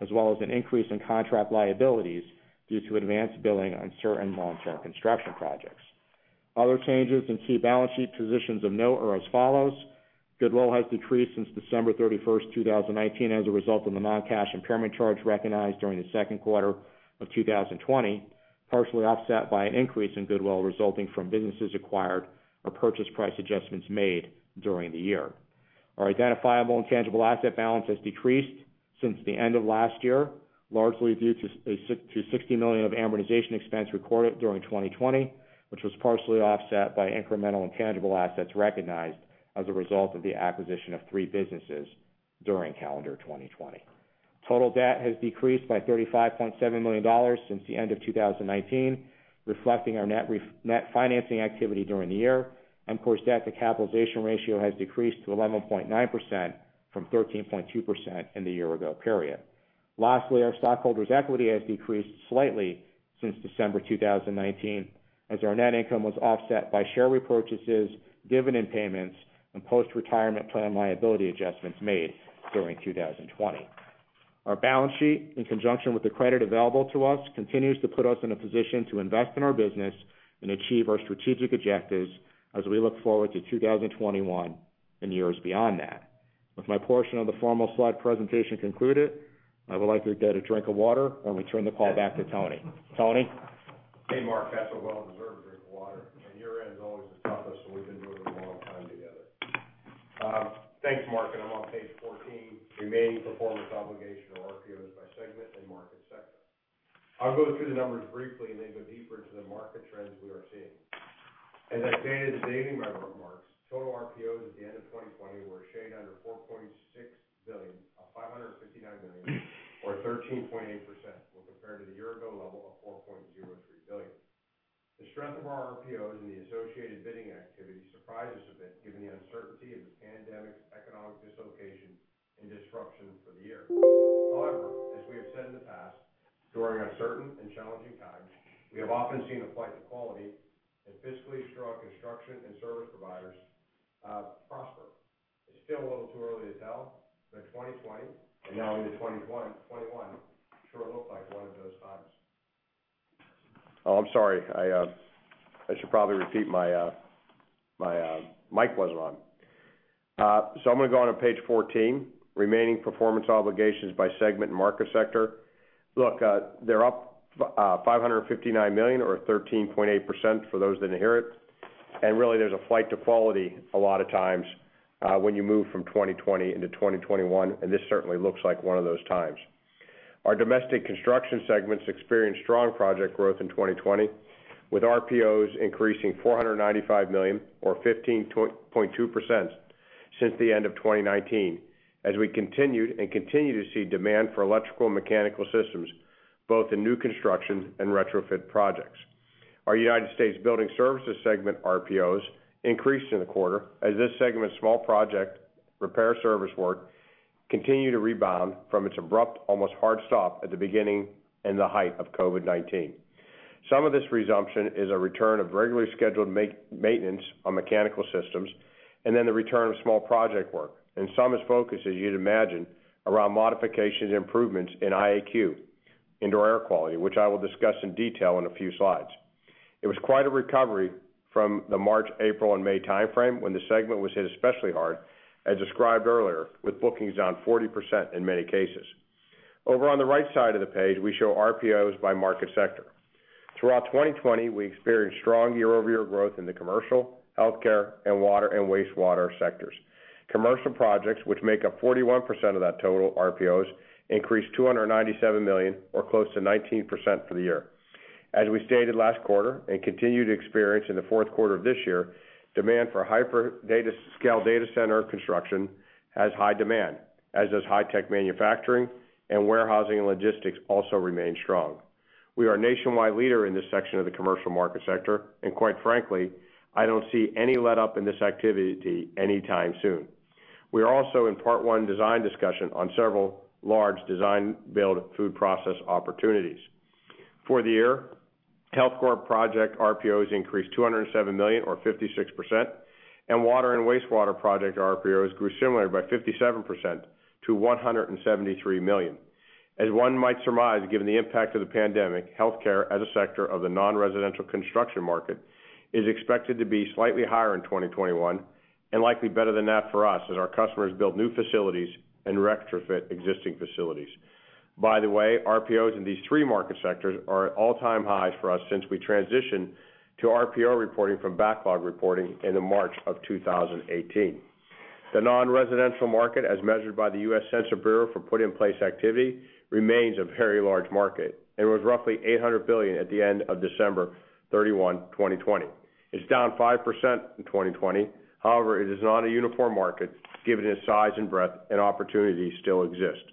As well as an increase in contract liabilities, due to advanced billing on certain long-term construction projects. Other changes in key balance sheet positions of note are as follows. Goodwill has decreased since December 31st, 2019, as a result of the non-cash impairment charge. Recognized during the second quarter of 2020. Partially, offset by an increase in goodwill resulting from businesses acquired. Or purchase price adjustments made during the year. Our identifiable intangible asset balance has decreased, since the end of last year. Largely due to $60 million of amortization expense recorded during 2020. Which was partially offset, by incremental intangible assets recognized. As a result of the acquisition of three businesses, during calendar 2020. Total debt has decreased, by $35.7 million since the end of 2019. Reflecting our net financing activity during the year. EMCOR's debt to capitalization ratio has decreased, to 11.9% from 13.2% in the year ago period. Lastly, our stockholders' equity has decreased slightly, since December 2019. As our net income was offset, by share repurchases, dividend payments. And post-retirement plan liability adjustments made during 2020. Our balance sheet, in conjunction with the credit available to us. Continues to put us in a position to invest in our business, and achieve our strategic objectives. As we look forward to 2021, and years beyond that. With my portion of the formal slide presentation concluded. I would like to get a drink of water, and return the call back to Tony. Tony? Hey, Mark. That's a well-deserved drink of water, and year-end's always the toughest. So, we've been doing a long time together. Thanks, Mark. I'm on page 14, Remaining Performance Obligation or RPOs by segment, and market sector. I'll go through the numbers briefly, and then go deeper into the market trends we are seeing. As I stated at the beginning of my remarks. Total RPOs at the end of 2020 were a shade under $4.6 billion, $559 million, or 13.8%. When compared to the year ago level of $4.03 billion. The strength of our RPOs, and the associated bidding activity. Surprised us a bit, given the uncertainty of the pandemic's economic dislocation, and disruption for the year. However, as we have said in the past, during uncertain, and challenging times. We have often seen a flight to quality. And fiscally strong construction, and service providers prosper. It's still a little too early to tell. But 2020, and now into 2021 sure look like one of those times. Oh, I'm sorry. I should probably, repeat my mic wasn't on. I'm gonna go on to page 14, Remaining Performance Obligations by segment, and market sector. Look, they're up $559 million or 13.8% for those that inherit. Really there's a flight to quality, a lot of times. When you move from 2020 into 2021, and this certainly looks like one of those times. Our domestic construction segments, experienced strong project growth in 2020. With RPOs increasing $495 million or 15.2%, since the end of 2019. As we continued, and continue to see demand for Electrical and Mechanical systems. Both in new construction, and retrofit projects. Our United States Building Services segment RPOs, increased in the quarter. As this segment's small project repair service work, continued to rebound from its abrupt. Almost hard stop at the beginning, and the height of COVID-19. Some of this resumption, is a return of regularly scheduled maintenance on mechanical systems. And then the return of small project work, and some is focused. As you'd imagine, around modifications, and improvements in IAQ, Indoor Air Quality. Which I will discuss in detail in a few slides. It was quite a recovery from the March, April, and May timeframe. When the segment was hit especially hard, as described earlier. With bookings down 40% in many cases. On the right side of the page, we show RPOs by market sector. Throughout 2020, we experienced strong year-over-year growth. In the commercial, healthcare, and water, and wastewater sectors. Commercial projects, which make up 41% of that total RPOs. Increased $297 million, or close to 19% for the year. As we stated last quarter, and continue to experience in the fourth quarter of this year. Demand for hyper-scale data center construction has high demand. As does high tech manufacturing, and warehousing, and logistics also remain strong. We are a nationwide leader in this section of the commercial market sector. And quite frankly, I don't see any letup in this activity anytime soon. We are also in part one design discussion, on several large design build food process opportunities. For the year, healthcare project RPOs increased $207 million or 56%. And water, and wastewater project RPOs, grew similarly by 57% to $173 million. As one might surmise, given the impact of the pandemic. Healthcare as a sector of the non-residential construction market, is expected to be slightly higher in 2021. And likely better than that for us as our customers build new facilities, and retrofit existing facilities. By the way, RPOs in these three market sectors, are at all-time highs for us. Since we transitioned to RPO reporting, from backlog reporting in the March of 2018. The non-residential market, as measured by the U.S. Census Bureau for put in place activity. Remains a very large market, and was roughly $800 billion. At the end of December 31, 2020. It is down 5% in 2020. It is not a uniform market given its size, and breadth, and opportunity still exists.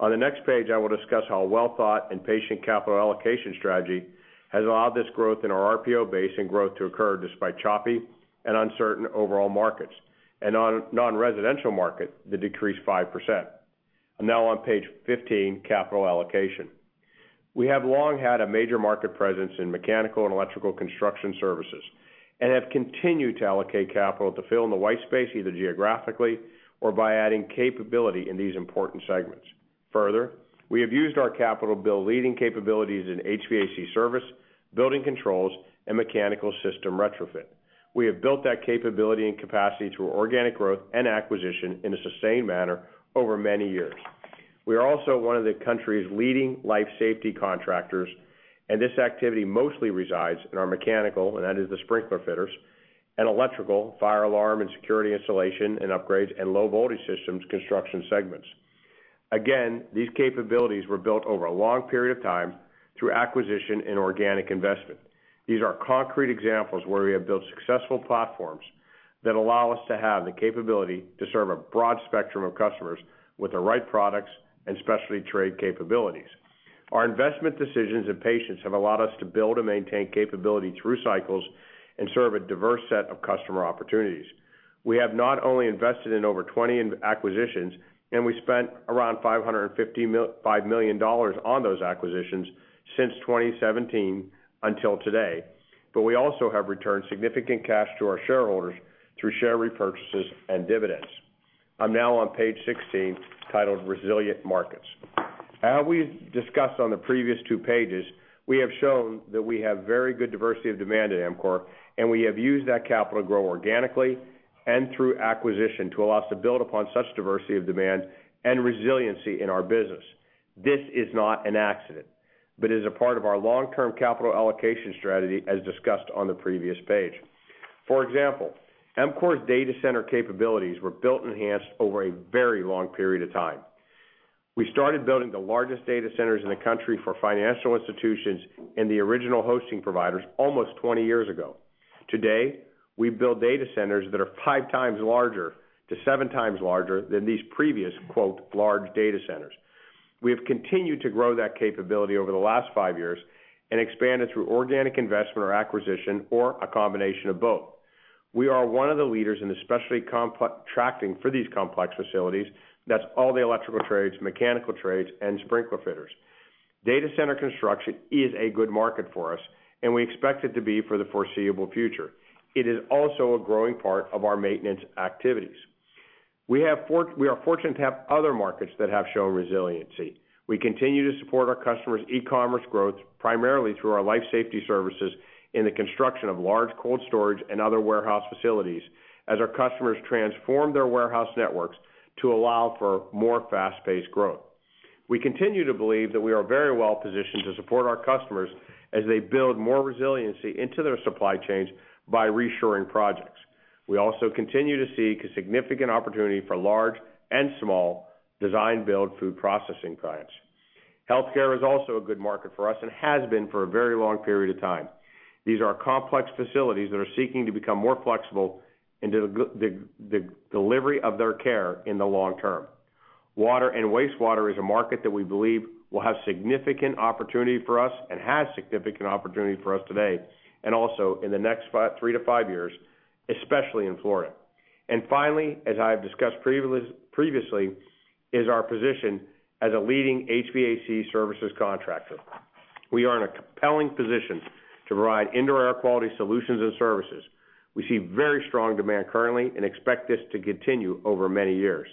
On the next page, I will discuss how a well-thought, and patient capital allocation strategy. Has allowed this growth in our RPO base, and growth. To occur despite choppy, and uncertain overall markets. And non-residential market, that decreased 5%. I am now on page 15, Capital Allocation. We have long had a major market presence, in Mechanical and Electrical construction services. And have continued to allocate capital, to fill in the white space. Either geographically or by adding capability in these important segments. Further, we have used our capital build leading capabilities in HVAC service. Building controls, and mechanical system retrofit. We have built that capability, and capacity through organic growth. And acquisition in a sustained manner over many years. We are also one of the country's leading life safety contractors. And this activity mostly resides in our Mechanical, and that is the sprinkler fitters. And electrical, fire alarm, and security installation, and upgrades, and low voltage systems construction segments. Again, these capabilities were built over a long period of time. Through acquisition, and organic investment. These are concrete examples, where we have built successful platforms. That allow us to have the capability, to serve a broad spectrum of customers. With the right products, and specialty trade capabilities. Our investment decisions, and patience. Have allowed us to build, and maintain capability through cycles. And serve a diverse set of customer opportunities. We have not only invested in over 20 acquisitions, and we spent around $555 million, on those acquisitions since 2017 until today. But we also have returned significant cash to our shareholders. Through share repurchases, and dividends. I'm now on page 16, titled Resilient Markets. As we discussed on the previous two pages, we have shown. That we have very good diversity of demand at EMCOR. And we have used that capital to grow organically. And through acquisition, to allow us to build upon such diversity of demand, and resiliency in our business. This is not an accident, but is a part of our long-term capital allocation strategy. As discussed on the previous page. For example, EMCOR's data center capabilities were built, and enhanced over a very long period of time. We started building the largest data centers in the country. For financial institutions, and the original hosting providers almost 20 years ago. Today, we build data centers that are five times larger. To seven times larger, than these previous, quote, "large data centers." We have continued to grow that capability, over the last five years. And expanded through organic investment, or acquisition or a combination of both. We are one of the leaders, in the specialty contracting for these complex facilities. That's all the electrical trades, mechanical trades, and sprinkler fitters. Data center construction is a good market for us, and we expect it to be for the foreseeable future. It is also a growing part of our maintenance activities. We are fortunate to have other markets, that have shown resiliency. We continue to support, our customers' e-commerce growth. Primarily, through our life safety services. In the construction of large cold storage, and other warehouse facilities. As our customers transform their warehouse networks, to allow for more fast-paced growth. We continue to believe, that we are very well positioned. To support our customers, as they build more resiliency. Into their supply chains, by reshoring projects. We also continue to seek a significant opportunity for large, and small design build food processing clients. Healthcare is also a good market for us, and has been for a very long period of time. These are complex facilities, that are seeking to become more flexible. In the delivery of their care in the long term. Water and wastewater is a market that we believe. Will have significant opportunity for us, and has significant opportunity for us today. And also, in the next three to five years, especially in Florida. Finally, as I have discussed previously, is our position as a leading HVAC services contractor. We are in a compelling position, to provide Indoor Air Quality solutions, and services. We see very strong demand currently, and expect this to continue over many years.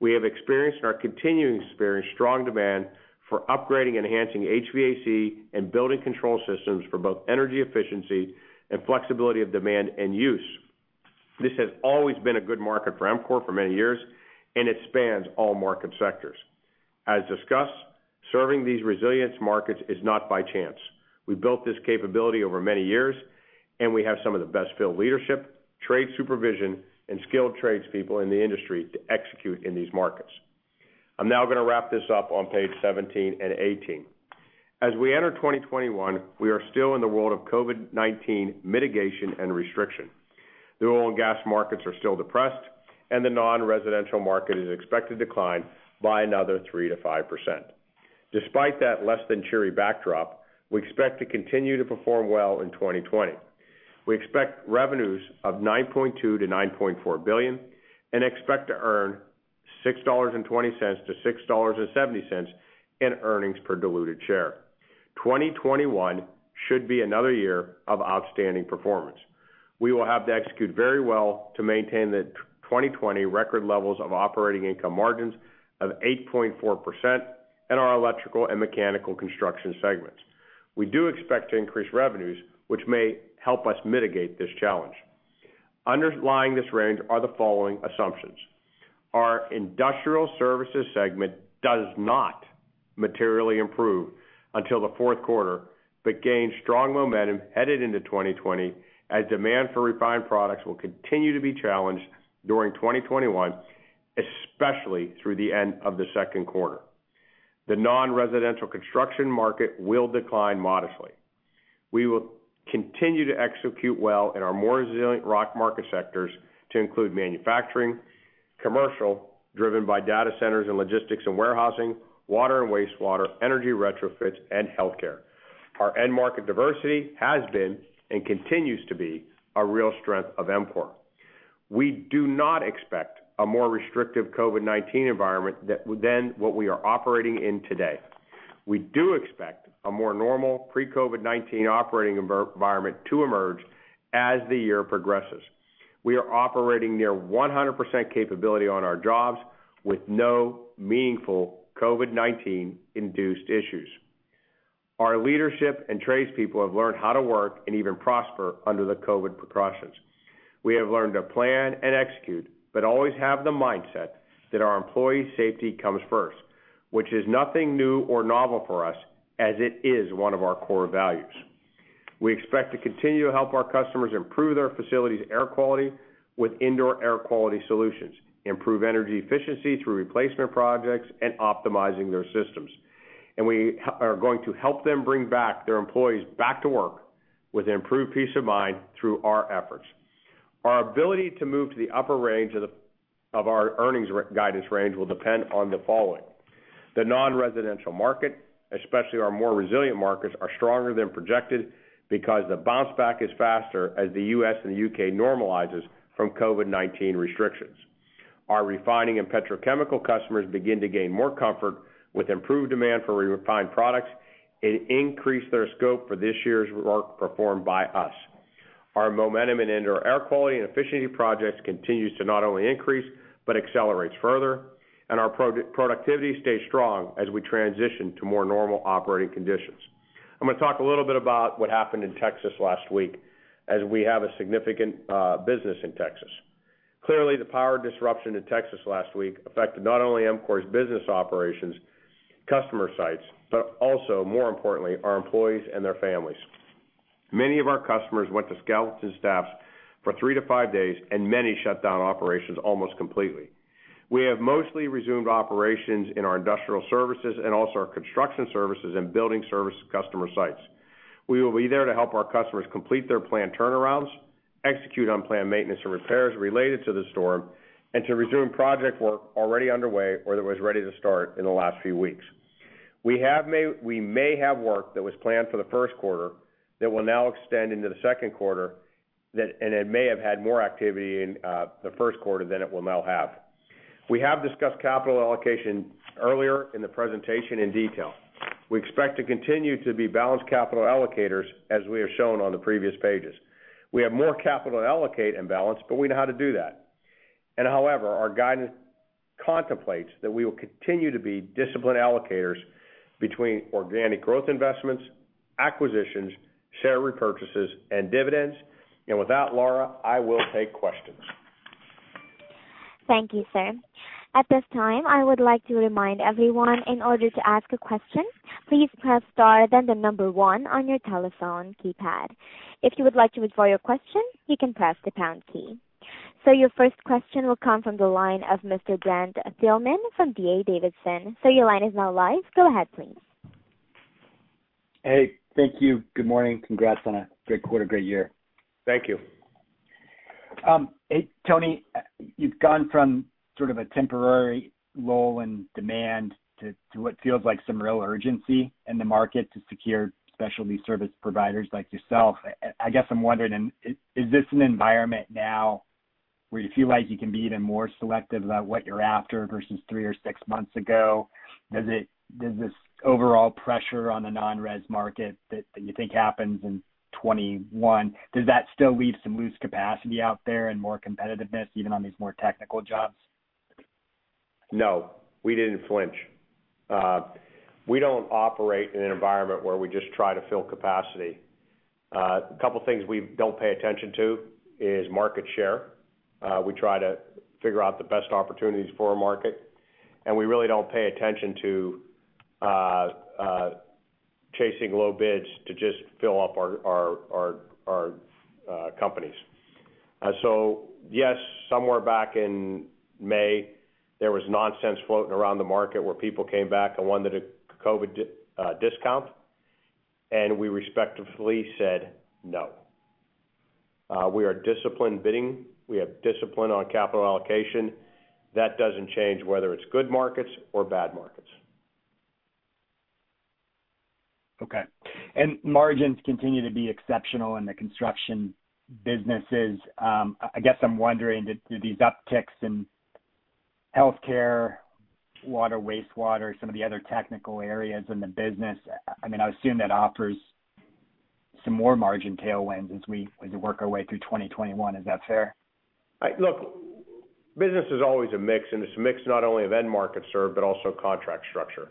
We have experienced, and are continuing to experience strong demand. For upgrading, and enhancing HVAC. And building control systems for both energy efficiency, and flexibility of demand and use. This has always been a good market, for EMCOR for many years. And it spans all market sectors. As discussed, serving these resilient markets is not by chance. We built this capability over many years, and we have some of the best field leadership. Trade supervision, and skilled tradespeople in the industry, to execute in these markets. I'm now going to wrap this up on page 17 and 18. As we enter 2021, we are still in the world of COVID-19 mitigation, and restriction. The oil, and gas markets are still depressed. And the non-residential market, is expected to decline by another 3%-5%. Despite that less-than-cheery backdrop. We expect to continue to perform well in 2020. We expect revenues of $9.2 billion-$9.4 billion. And expect to earn $6.20-$6.70, in earnings per diluted share. 2021 should be another year of outstanding performance. We will have to execute very well, to maintain the 2020 record levels of operating income margins. Of 8.4% in our Electrical and Mechanical Construction segments. We do expect to increase revenues, which may help us mitigate this challenge. Underlying this range, are the following assumptions. Our Industrial Services segment, does not materially improve until the fourth quarter. But gains strong momentum headed into 2020. As demand for refined products, will continue to be challenged during 2021. Especially, through the end of the second quarter. The non-residential construction market will decline modestly. We will continue to execute well, in our more resilient rock market sectors. To include manufacturing, commercial, driven by data centers, and logistics, and warehousing. Water and wastewater, energy retrofits, and healthcare. Our end market diversity has been, and continues to be. A real strength of EMCOR. We do not expect, a more restrictive COVID-19 environment. Than what we are operating in today. We do expect a more normal pre-COVID-19 operating environment, to emerge as the year progresses. We are operating near 100% capability on our jobs. With no meaningful COVID-19-induced issues. Our leadership, and tradespeople have learned how to work, and even prosper, under the COVID precautions. We have learned to plan, and execute. But always have the mindset, that our employees' safety comes first. Which is nothing new or novel for us, as it is one of our core values. We expect to continue to help our customers, improve their facility's air quality, with Indoor Air Quality solutions. Improve energy efficiency through replacement projects, and optimizing their systems. We are going to help them bring back their employees back to work. With improved peace of mind through our efforts. Our ability to move, to the upper range of our earnings guidance range, will depend on the following. The non-residential market, especially our more resilient markets. Are stronger than projected, because the bounce back is faster. As the U.S., and the U.K. normalizes from COVID-19 restrictions. Our refining, and petrochemical customers begin to gain more comfort. With improved demand for refined products, and increase their scope for this year's work performed by us. Our momentum in Indoor Air Quality, and efficiency projects continues to not only increase. But accelerates further, and our productivity stays strong. As we transition to more normal operating conditions. I'm going to talk a little bit about, what happened in Texas last week? As we have a significant business in Texas. Clearly, the power disruption in Texas last week. Affected not only EMCOR's business operations customer sites. But also, more importantly, our employees, and their families. Many of our customers went to skeleton staffs for three to five days, and many shut down operations almost completely. We have mostly resumed operations in our Industrial Services, and also our Construction Services, and Building Service customer sites. We will be there to help our customers, complete their planned turnarounds. Execute unplanned maintenance, and repairs related to the storm. And to resume project work already underway, or that was ready to start in the last few weeks. We may have work that was planned for the first quarter. That will now extend into the second quarter. And it may have had more activity, in the first quarter than it will now have. We have discussed capital allocation earlier, in the presentation in detail. We expect to continue, to be balanced capital allocators. As we have shown on the previous pages. We have more capital to allocate, and balance. But we know how to do that. However, our guidance contemplates, that we will continue to be disciplined allocators. Between organic growth investments, acquisitions, share repurchases, and dividends. With that, Lara, I will take questions. Thank you, sir. At this time, I would like to remind everyone. In order to ask a question, please press star then the number one on your telephone keypad. If you would like to withdraw your question, you can press the pound key. Your first question will come, from the line of Mr. Brent Thielman from D.A. Davidson. Your line is now live. Go ahead, please. Hey, thank you. Good morning. Congrats on a great quarter, great year. Thank you. Hey, Tony. You've gone from sort of a temporary lull in demand. To what feels like some real urgency? In the market, to secure specialty service providers like yourself. I guess I'm wondering, is this an environment now? Where you feel like? You can be even more selective about, what you're after versus three or six months ago? Does this overall pressure on the non-res market, that you think happens in 2021? Does that still leave some loose capacity out there, and more competitiveness even on these more technical jobs? No, we didn't flinch. We don't operate in an environment, where we just try to fill capacity. A couple things we don't pay attention to is market share. We try to figure out, the best opportunities for our market. And we really don't pay attention, to chasing low bids to just fill up our companies. Yes, somewhere back in May, there was nonsense floating around the market. Where people came back, and wanted a COVID discount? And we respectfully said, "No." We are disciplined bidding. We have discipline on capital allocation. That doesn't change, whether it's good markets or bad markets. Okay. Margins continue to be exceptional in the construction businesses. I guess I'm wondering, do these upticks in healthcare, water, wastewater? Some of the other technical areas in the business. I assume that offers some more margin tailwinds, as we work our way through 2021. Is that fair? Look, business is always a mix, and it's a mix not only of end markets served. But also contract structure.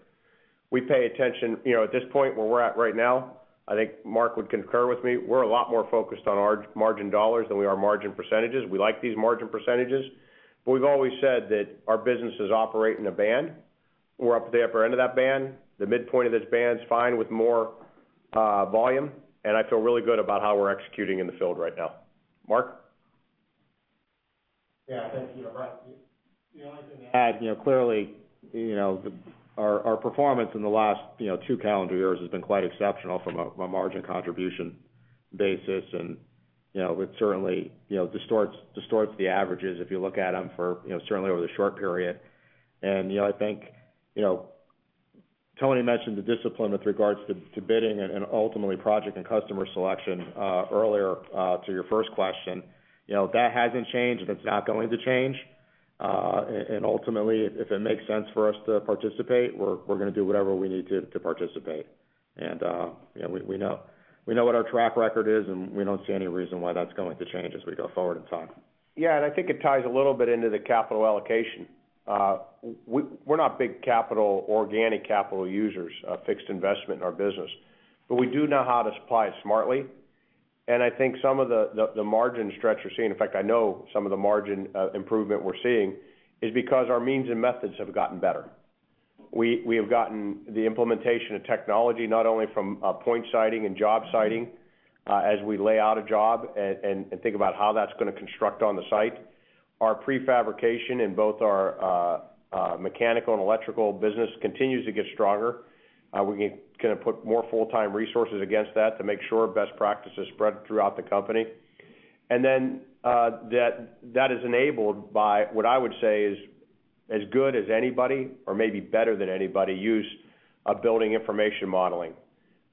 We pay attention, at this point where we're at right now? I think, Mark would concur with me. We're a lot more focused on our margin dollars, than we are margin percentages. We like these margin percentages, but we've always said. That our businesses operate in a band. We're up at the upper end of that band. The midpoint of this band's fine with more volume, and I feel really good about. How we're executing in the field right now. Mark? Thank you, Brent. The only thing I'd add, clearly, our performance in the last two calendar years. Has been quite exceptional, from a margin contribution basis. And it certainly distorts the averages if you look at them, certainly over the short period. I think Tony mentioned the discipline, with regards to bidding, and ultimately project. And customer selection, earlier, to your first question. That hasn't changed, and it's not going to change. Ultimately, if it makes sense for us to participate. We're going to do whatever we need to participate. We know what our track record is, and we don't see any reason why. That's going to change, as we go forward in time. I think, it ties a little bit into the capital allocation. We're not big organic capital users, of fixed investment in our business. But we do know, how to apply it smartly? I think some of the margin stretch we're seeing. In fact, I know some of the margin improvement we're seeing is. Because our means, and methods have gotten better. We have gotten the implementation of technology. Not only from point siting, and job siting. As we lay out a job, and think about how that's going to construct on the site? Our prefabrication in both our Mechanical and Electrical business, continues to get stronger. We can put more full-time resources against that. To make sure best practices, spread throughout the company. That is enabled by, what I would say is as good as anybody? Or maybe better than anybody, use of Building Information Modeling.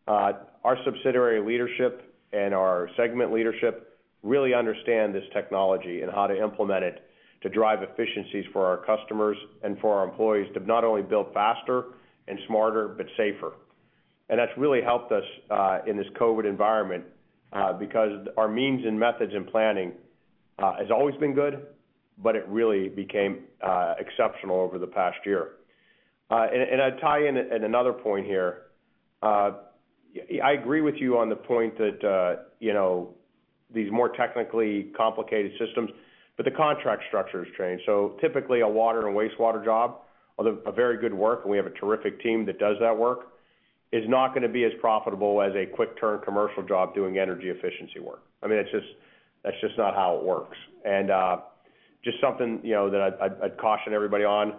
Our subsidiary leadership, and our segment leadership. Really understand this technology, and how to implement it? To drive efficiencies for our customers, and for our employees. To not only build faster, and smarter, but safer. That's really helped us in this COVID-19 environment. Because our means, and methods in planning has always been good. But it really became exceptional over the past year. I'd tie in another point here. I agree with you on the point, that these more technically complicated systems. But the contract structure has changed. Typically, a water and wastewater job, although a very good work. And we have a terrific team, that does that work. Is not going to be as profitable, as a quick turn commercial job doing energy efficiency work. That's just not how it works. Just something that I'd caution everybody on,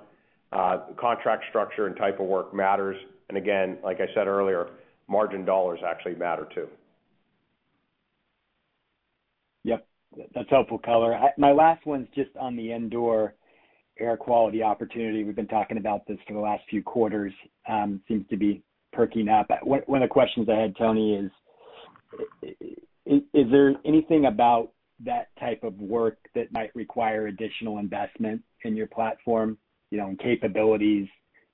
contract structure, and type of work matters. Again, like I said earlier, margin dollars actually matter, too. Yep. That's helpful color. My last one's just on the Indoor Air Quality opportunity. We've been talking about this for the last few quarters. Seems to be perking up. One of the questions I had, Tony, is, is there anything about that type of work, that might require additional investment in your platform? In capabilities,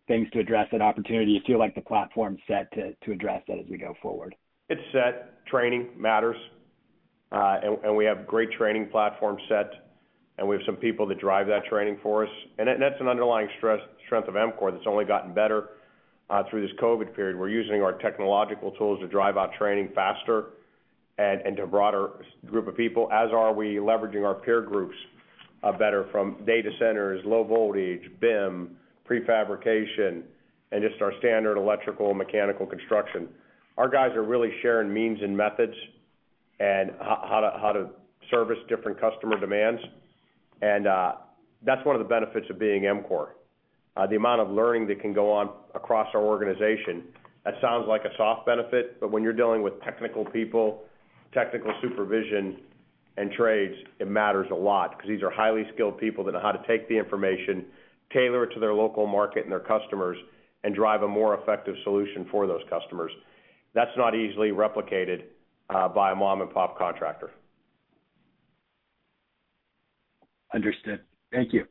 things to address that opportunity? Do you feel like the platform's set, to address that as we go forward? It's set. Training matters. We have great training platforms set, and we have some people that drive that training for us. That's an underlying strength of EMCOR, that's only gotten better through this COVID period. We're using our technological tools, to drive our training faster. And to a broader group of people, as are we leveraging our peer groups better. From data centers, low voltage, BIM, prefabrication. And just our standard Electrical and Mechanical construction. Our guys are really sharing means, and methods. And how to service different customer demands? That's one of the benefits of being EMCOR. The amount of learning, that can go on across our organization. That sounds like a soft benefit, but when you're dealing with technical people. Technical supervision, and trades, it matters a lot. Because these are highly skilled people, that know how to take the information. Tailor it to their local market, and their customers. And drive a more effective solution for those customers. That's not easily replicated, by a mom-and-pop contractor. Understood. Thank you.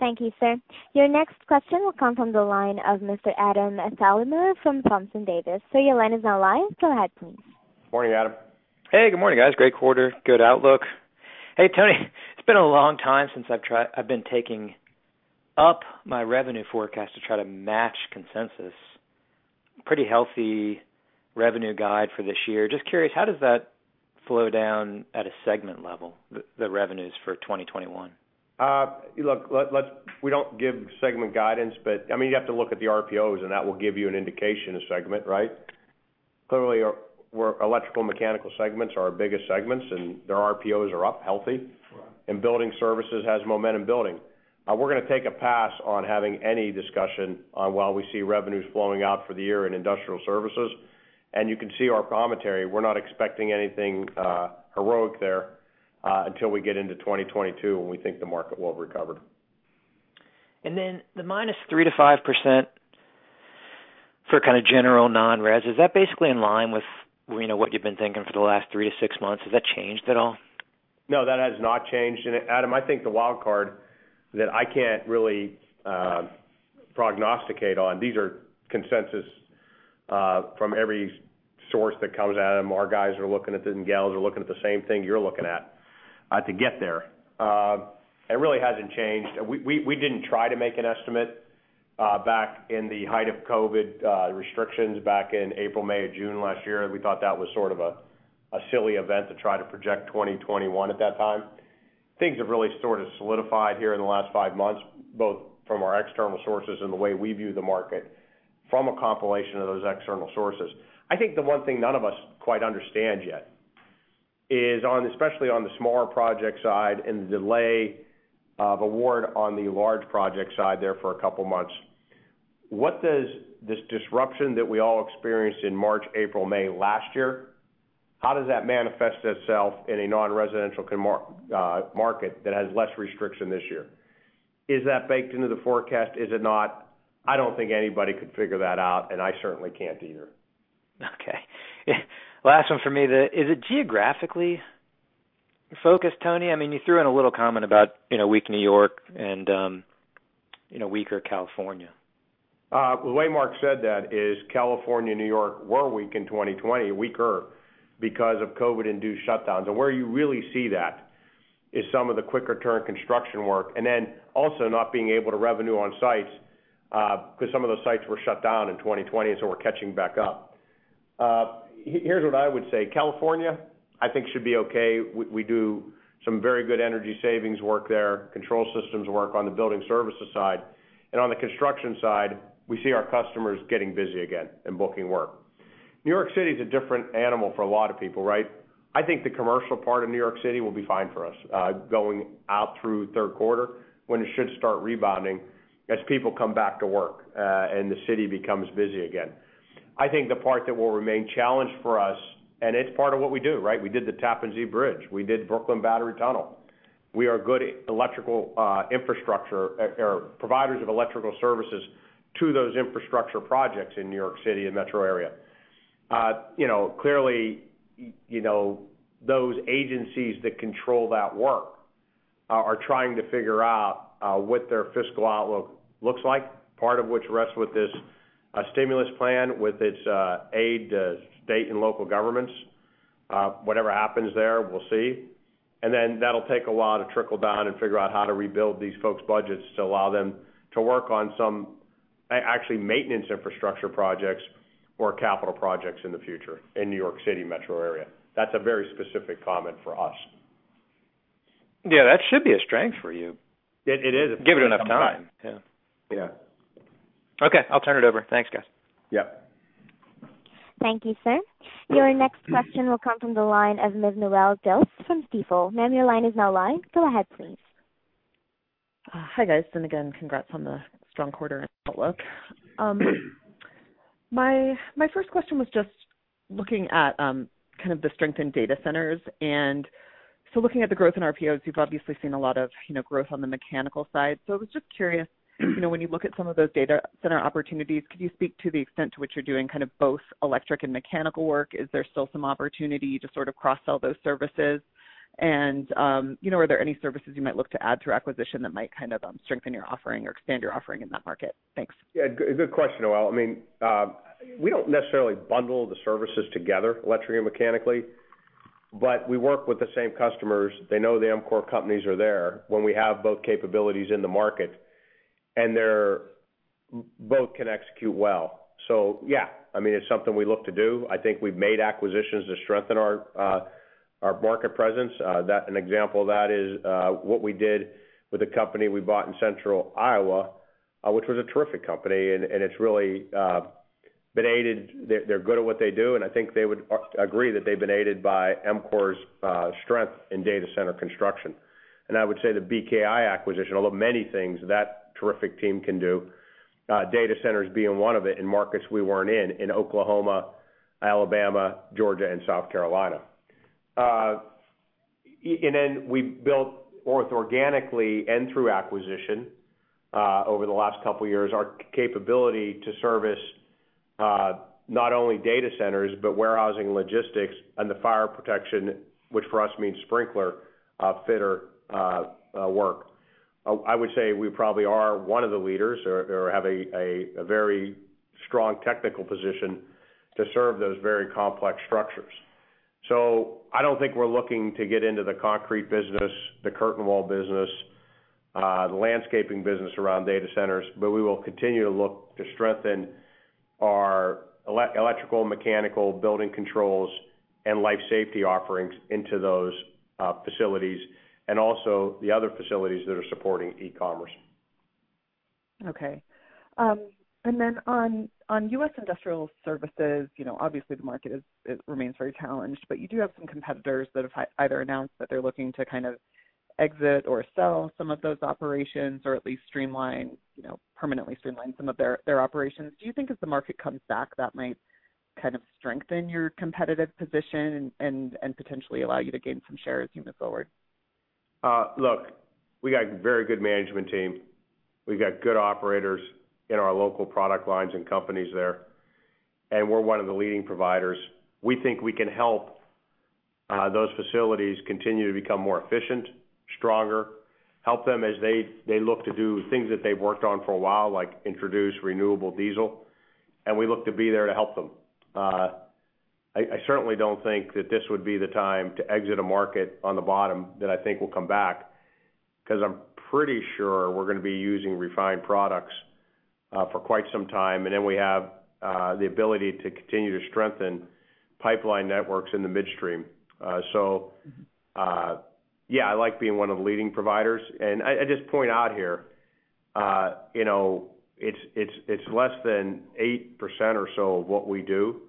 Thank you, sir. Your next question will come from the line of Mr. Adam Thalhimer, from Thompson Davis. Sir, your line is now live. Go ahead, please. Morning, Adam. Hey, good morning, guys. Great quarter. Good outlook. Hey, Tony, it's been a long time, since I've been taking up my revenue forecast. To try to match consensus. Pretty healthy revenue guide for this year. Just curious, how does that flow down at a segment level, the revenues for 2021? Look, we don't give segment guidance, but you have to look at the RPOs. And that will give you an indication of segment, right? Clearly, Electrical and Mechanical segments are our biggest segments, and their RPOs are up healthy. Right. Building Services has momentum building. We're going to take a pass on having any discussion, on while we see revenues flowing out for the year in Industrial Services. And you can see our commentary. We're not expecting anything heroic there, until we get into 2022. When we think the market will have recovered. The -3% to 5% for kind of general non-res, is that basically in line. With what you've been thinking, for the last three to six months? Has that changed at all? No, that has not changed. Adam, I think the wild card, that I can't really prognosticate on. These are consensus from every source, that comes at them. Our guys are looking at this, and gals are looking at the same thing. You're looking at to get there. It really hasn't changed. We didn't try to make an estimate, back in the height of COVID-19 restrictions. Back in April, May, or June last year. We thought that was sort of a silly event. To try to project 2021 at that time. Things have really sort of solidified here, in the last five months. Both from our external sources, and the way we view the market. From a compilation of those external sources. I think the one thing none of us quite understand yet is. Especially, on the smaller project side, and the delay of award. On the large project side there for a couple of months. What does this disruption, that we all experienced in March, April, May last year? How does that manifest itself in a non-residential market, that has less restriction this year. Is that baked into the forecast? Is it not? I don't think anybody could figure that out, and I certainly can't either. Okay. Last one from me, is it geographically focused, Tony? You threw in a little comment about weak New York, and weaker California. The way Mark said, that is California and New York were weak in 2020, weaker. Because of COVID-induced shutdowns. Where you really see that, is some of the quicker turn construction work. Then also not being able to revenue on sites. Because some of those sites, were shut down in 2020. So, we're catching back up. Here's what I would say. California, I think should be okay. We do some very good energy savings work there. Control systems work on the Building Services side, on the construction side. We see our customers getting busy again, and booking work. New York City is a different animal for a lot of people, right? I think the commercial part of New York City will be fine for us. Going out through third quarter, when it should start rebounding. As people come back to work, and the city becomes busy again. I think the part that will remain challenged for us, and it's part of what we do, right? We did the Tappan Zee Bridge, we did Brooklyn-Battery Tunnel. We are good electrical infrastructure or providers of electrical services. To those infrastructure projects in New York City, and Metro area. Clearly, those agencies that control that work. Are trying to figure out, what their fiscal outlook looks like? Part of which rests with this stimulus plan. With its aid to state, and local governments. Whatever happens there, we'll see. Then that'll take a while to trickle down, and figure out. How to rebuild these folks' budgets? To allow them to work on some actually, maintenance infrastructure projects. Or capital projects in the future, in New York City Metro area. That's a very specific comment for us. Yeah, that should be a strength for you. It is. Give it enough time. Yeah. Okay, I'll turn it over. Thanks, guys. Yeah. Thank you, sir. Your next question will come from the line of Ms. Noelle Dilts, from Stifel. Ma'am, your line is now live. Go ahead, please. Hi, guys, again, congrats on the strong quarter, and outlook. My first question, was just looking at kind of the strength in data centers. Looking at the growth in RPOs, you've obviously seen a lot of growth on the mechanical side. I was just curious, when you look at some of those data center opportunities? Could you speak to the extent, to which you're doing kind of both electric, and mechanical work? Is there still some opportunity, to sort of cross-sell those services? Are there any services, you might look to add through acquisition? That might kind of strengthen your offering, or expand your offering in that market. Thanks. Good question, Noelle. We don't necessarily bundle the services together, electric and mechanically. But we work with the same customers. They know the EMCOR companies are there, when we have both capabilities in the market. And they both can execute well. Yeah, it's something we look to do. I think we've made acquisitions, to strengthen our market presence. An example of that is, what we did with a company we bought in central Iowa. Which was a terrific company, and it's really been aided. They're good at what they do, and I think they would agree. That they've been aided, by EMCOR's strength in data center construction. I would say the BKI acquisition, of the many things that terrific team can do. Data centers being one of it in markets we weren't in Oklahoma, Alabama, Georgia, and South Carolina. We built both organically, and through acquisition. Over the last couple of years, our capability to service. Not only data centers, but warehousing logistics, and the fire protection. Which for us means sprinkler fitter work. I would say, we probably are one of the leaders or have a very strong technical position. To serve those very complex structures. I don't think, we're looking to get into the concrete business. The curtain wall business, the landscaping business around data centers. We will continue to look, to strengthen our electrical, mechanical building controls. And life safety offerings into those facilities, and also the other facilities, that are supporting e-commerce. Okay. On U.S. Industrial Services, obviously the market remains very challenged. But you do have some competitors, that have either announced. That they're looking to kind of exit, or sell some of those operations. Or at least permanently streamline some of their operations. Do you think as the market comes back? That might kind of strengthen your competitive position. And potentially, allow you to gain some share as you move forward. Look, we got very good management team. We've got good operators in our local product lines, and companies there. And we're one of the leading providers. We think we can help, those facilities continue to become more efficient, stronger. Help them as they look to do things, that they've worked on for a while. Like introduce renewable diesel, and we look to be there to help them. I certainly don't think, that this would be the time. To exit a market on the bottom, that I think will come back. Because I'm pretty sure, we're going to be using refined products. For quite some time, and then we have the ability to continue. To strengthen pipeline networks in the midstream. Yeah, I like being one of the leading providers. I just point out here, it's less than 8% or so of what we do?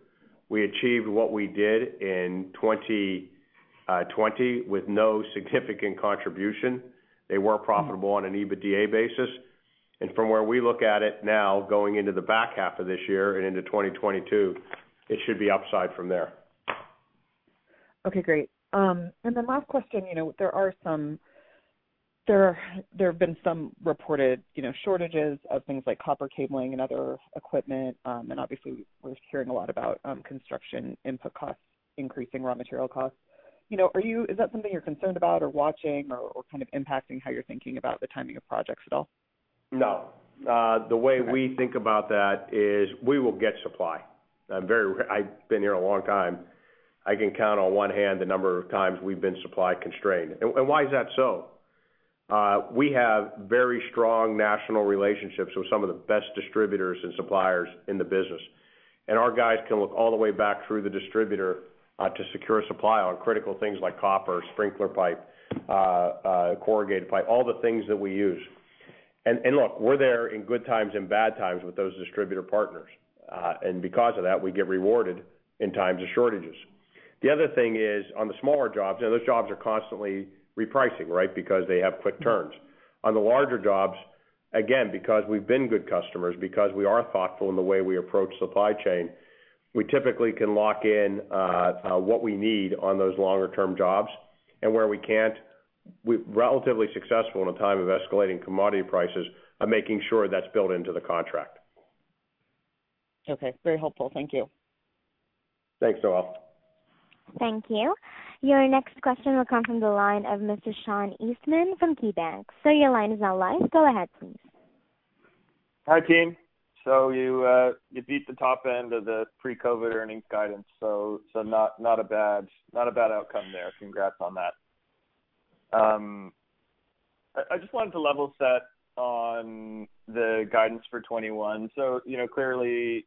We achieved what we did in 2020, with no significant contribution. They were profitable on an EBITDA basis, and from where we look at it now. Going into the back half of this year, and into 2022. It should be upside from there. Okay, great. Last question, there are some. There have been some reported shortages of things like copper cabling, and other equipment. Obviously, we're hearing a lot about construction, input costs increasing raw material costs. Is that something you're concerned about or watching? Or kind of impacting, how you're thinking about the timing of projects at all? No. Okay. The way we think about, that is we will get supply. I've been here a long time. I can count on one hand the number of times, we've been supply constrained. Why is that so? We have very strong national relationships. With some of the best distributors, and suppliers in the business. And our guys can look all the way back through the distributor. To secure supply on critical things like copper, sprinkler pipe, corrugated pipe. All the things that we use. Look, we're there in good times, and bad times. With those distributor partners. Because of that, we get rewarded in times of shortages. The other thing is on the smaller jobs. Those jobs are constantly repricing, right? Because they have quick turns. On the larger jobs, again, because we've been good customers. Because we are thoughtful, in the way we approach supply chain. We typically can lock in, what we need on those longer-term jobs? Where we can't, we're relatively successful in a time of escalating commodity prices, of making sure that's built into the contract. Okay. Very helpful. Thank you. Thanks, Noelle. Thank you. Your next question will come from the line of Mr. Sean Eastman, from KeyBanc. Sir, your line is now live. Go ahead, please. Hi, team. You beat the top end of the pre-COVID earnings guidance. Not a bad outcome there. Congrats on that. I just wanted to level set, on the guidance for 2021. Clearly,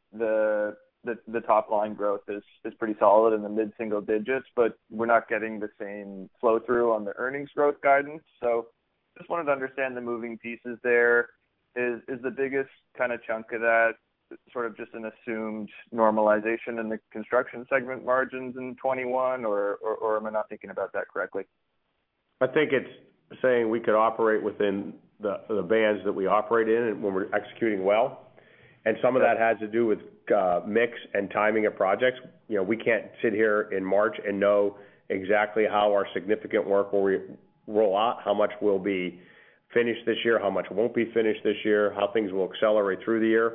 the top line growth is pretty solid in the mid-single digits. But we're not getting the same flow-through on the earnings growth guidance. Just wanted to understand the moving pieces there. Is the biggest kind of chunk of that? Sort of just an assumed normalization, in the construction segment margins in 2021? Am I not thinking about that correctly? I think it's saying, we could operate within the bands. That we operate in, and when we're executing well? Some of that has to do with mix, and timing of projects. We can't sit here in March, and know exactly how our significant work will roll out? How much will be finished this year? How much won't be finished this year? How things will accelerate through the year?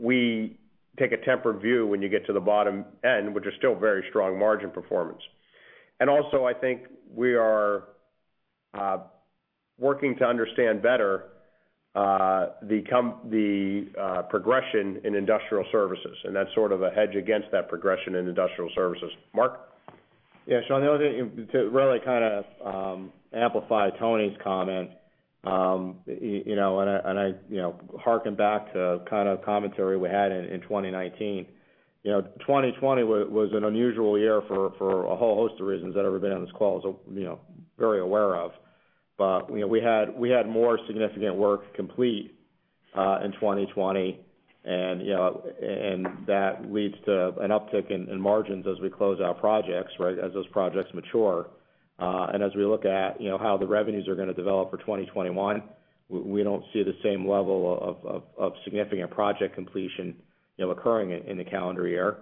We take a tempered view, when you get to the bottom end. Which is still very strong margin performance. Also, I think we are working to understand better, the progression in Industrial Services. And that's sort of a hedge against, that progression in Industrial Services. Mark? Yeah. Sean, the other thing to really kind of amplify Tony's comment. I harken back, to kind of commentary we had in 2019. 2020 was an unusual year, for a whole host of reasons. That everybody on this call is very aware of. We had more significant work complete in 2020, and that leads to an uptick in margins. As we close our projects, right, as those projects mature. As we look at, how the revenues are going to develop for 2021? We don't see the same level, of significant project completion occurring in the calendar year.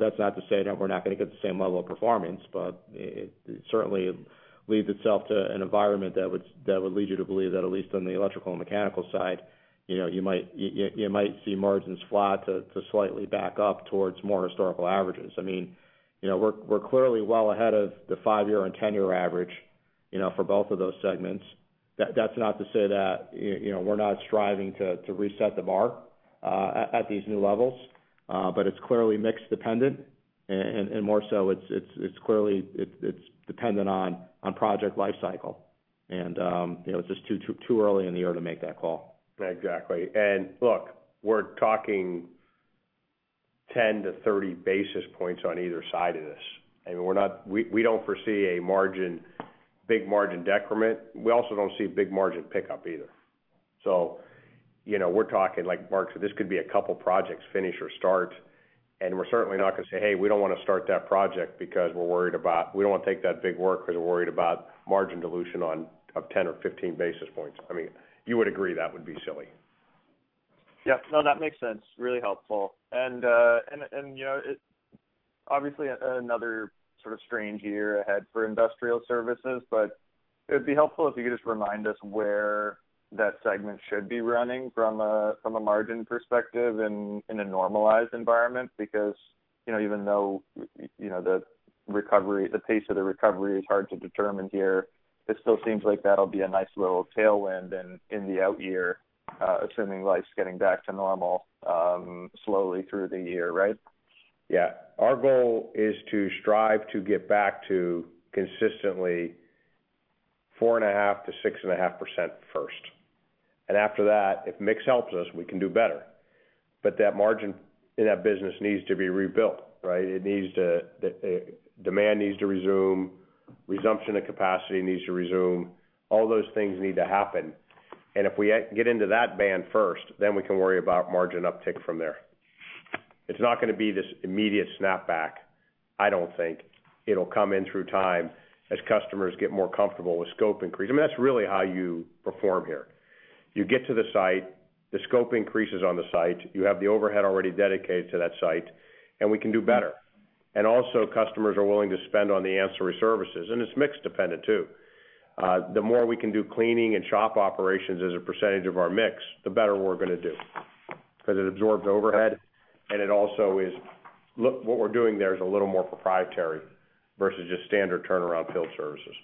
That's not to say, that we're not going to get the same level of performance. But it certainly, leads itself to an environment. That would lead you, to believe that at least on the Electrical and Mechanical side. You might see margins flat to slightly back up, towards more historical averages. We're clearly well ahead of the five-year, and 10-year average. For both of those segments. That's not to say that, we're not striving to reset the bar at these new levels. But it's clearly mix dependent, and more so it's dependent on project life cycle. And it's just too early, in the year to make that call. Exactly. Look, we're talking 10 basis points-30 basis points on either side of this. We don't foresee a big margin decrement. We also don't see, a big margin pickup either. We're talking, like Mark said, this could be a couple projects finish or start. And we're certainly not going to say, "Hey, we don't want to start that project. Because we don't want to take that big work. Because we're worried about, margin dilution of 10 basis points-15 basis points." You would agree that would be silly. Yeah. No, that makes sense. Really helpful. Obviously, another sort of strange year ahead for Industrial Services. But it would be helpful, if you could just remind us. Where that segment should be running, from a margin perspective in a normalized environment? Because even though, the pace of the recovery is hard to determine here. It still seems like, that'll be a nice little tailwind in the out year. Assuming life's getting back to normal, slowly through the year, right? Yeah. Our goal is to strive, to get back to consistently 4.5%-6.5% first. After that, if mix helps us, we can do better. That margin in that business, needs to be rebuilt, right? Demand needs to resume. Resumption of capacity needs to resume. All those things need to happen. If we get into that band first, then we can worry about margin uptick from there. It's not going to be this immediate snap back, I don't think. It'll come in through time, as customers get more comfortable with scope increase. That's really how you perform here? You get to the site, the scope increases on the site. You have the overhead already dedicated to that site, and we can do better. Also, customers are willing to spend on the ancillary services, and it's mix dependent too. The more we can do cleaning, and shop operations. As a percentage of our mix, the better we're going to do. Because it absorbs overhead, and what we're doing there is a little more proprietary, versus just standard turnaround field services.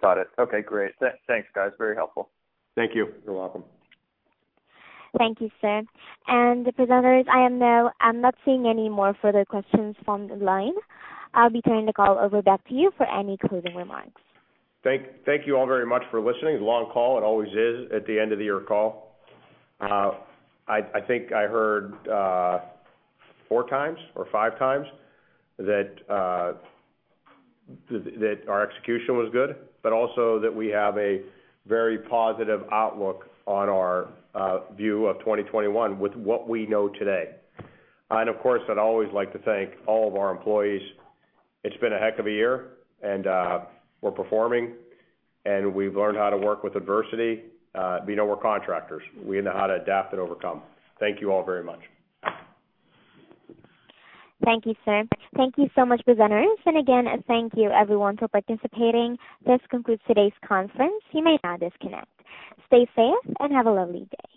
Got it. Okay, great. Thanks guys, very helpful. Thank you. You're welcome. Thank you, sir. The presenters, I'm not seeing any more further questions from the line. I'll be turning the call over back to you, for any closing remarks. Thank you all very much for listening. It's a long call. It always is at the end of the year call. I think I heard four times or five times, that our execution was good. But also, that we have a very positive outlook on our view of 2021, with what we know today. Of course, I'd always like to thank all of our employees. It's been a heck of a year, and we're performing. And we've learned, how to work with adversity? We're contractors. We know how to adapt, and overcome. Thank you all very much. Thank you, sir. Thank you so much, presenters. Again, thank you everyone for participating. This concludes today's conference. You may now disconnect. Stay safe, and have a lovely day.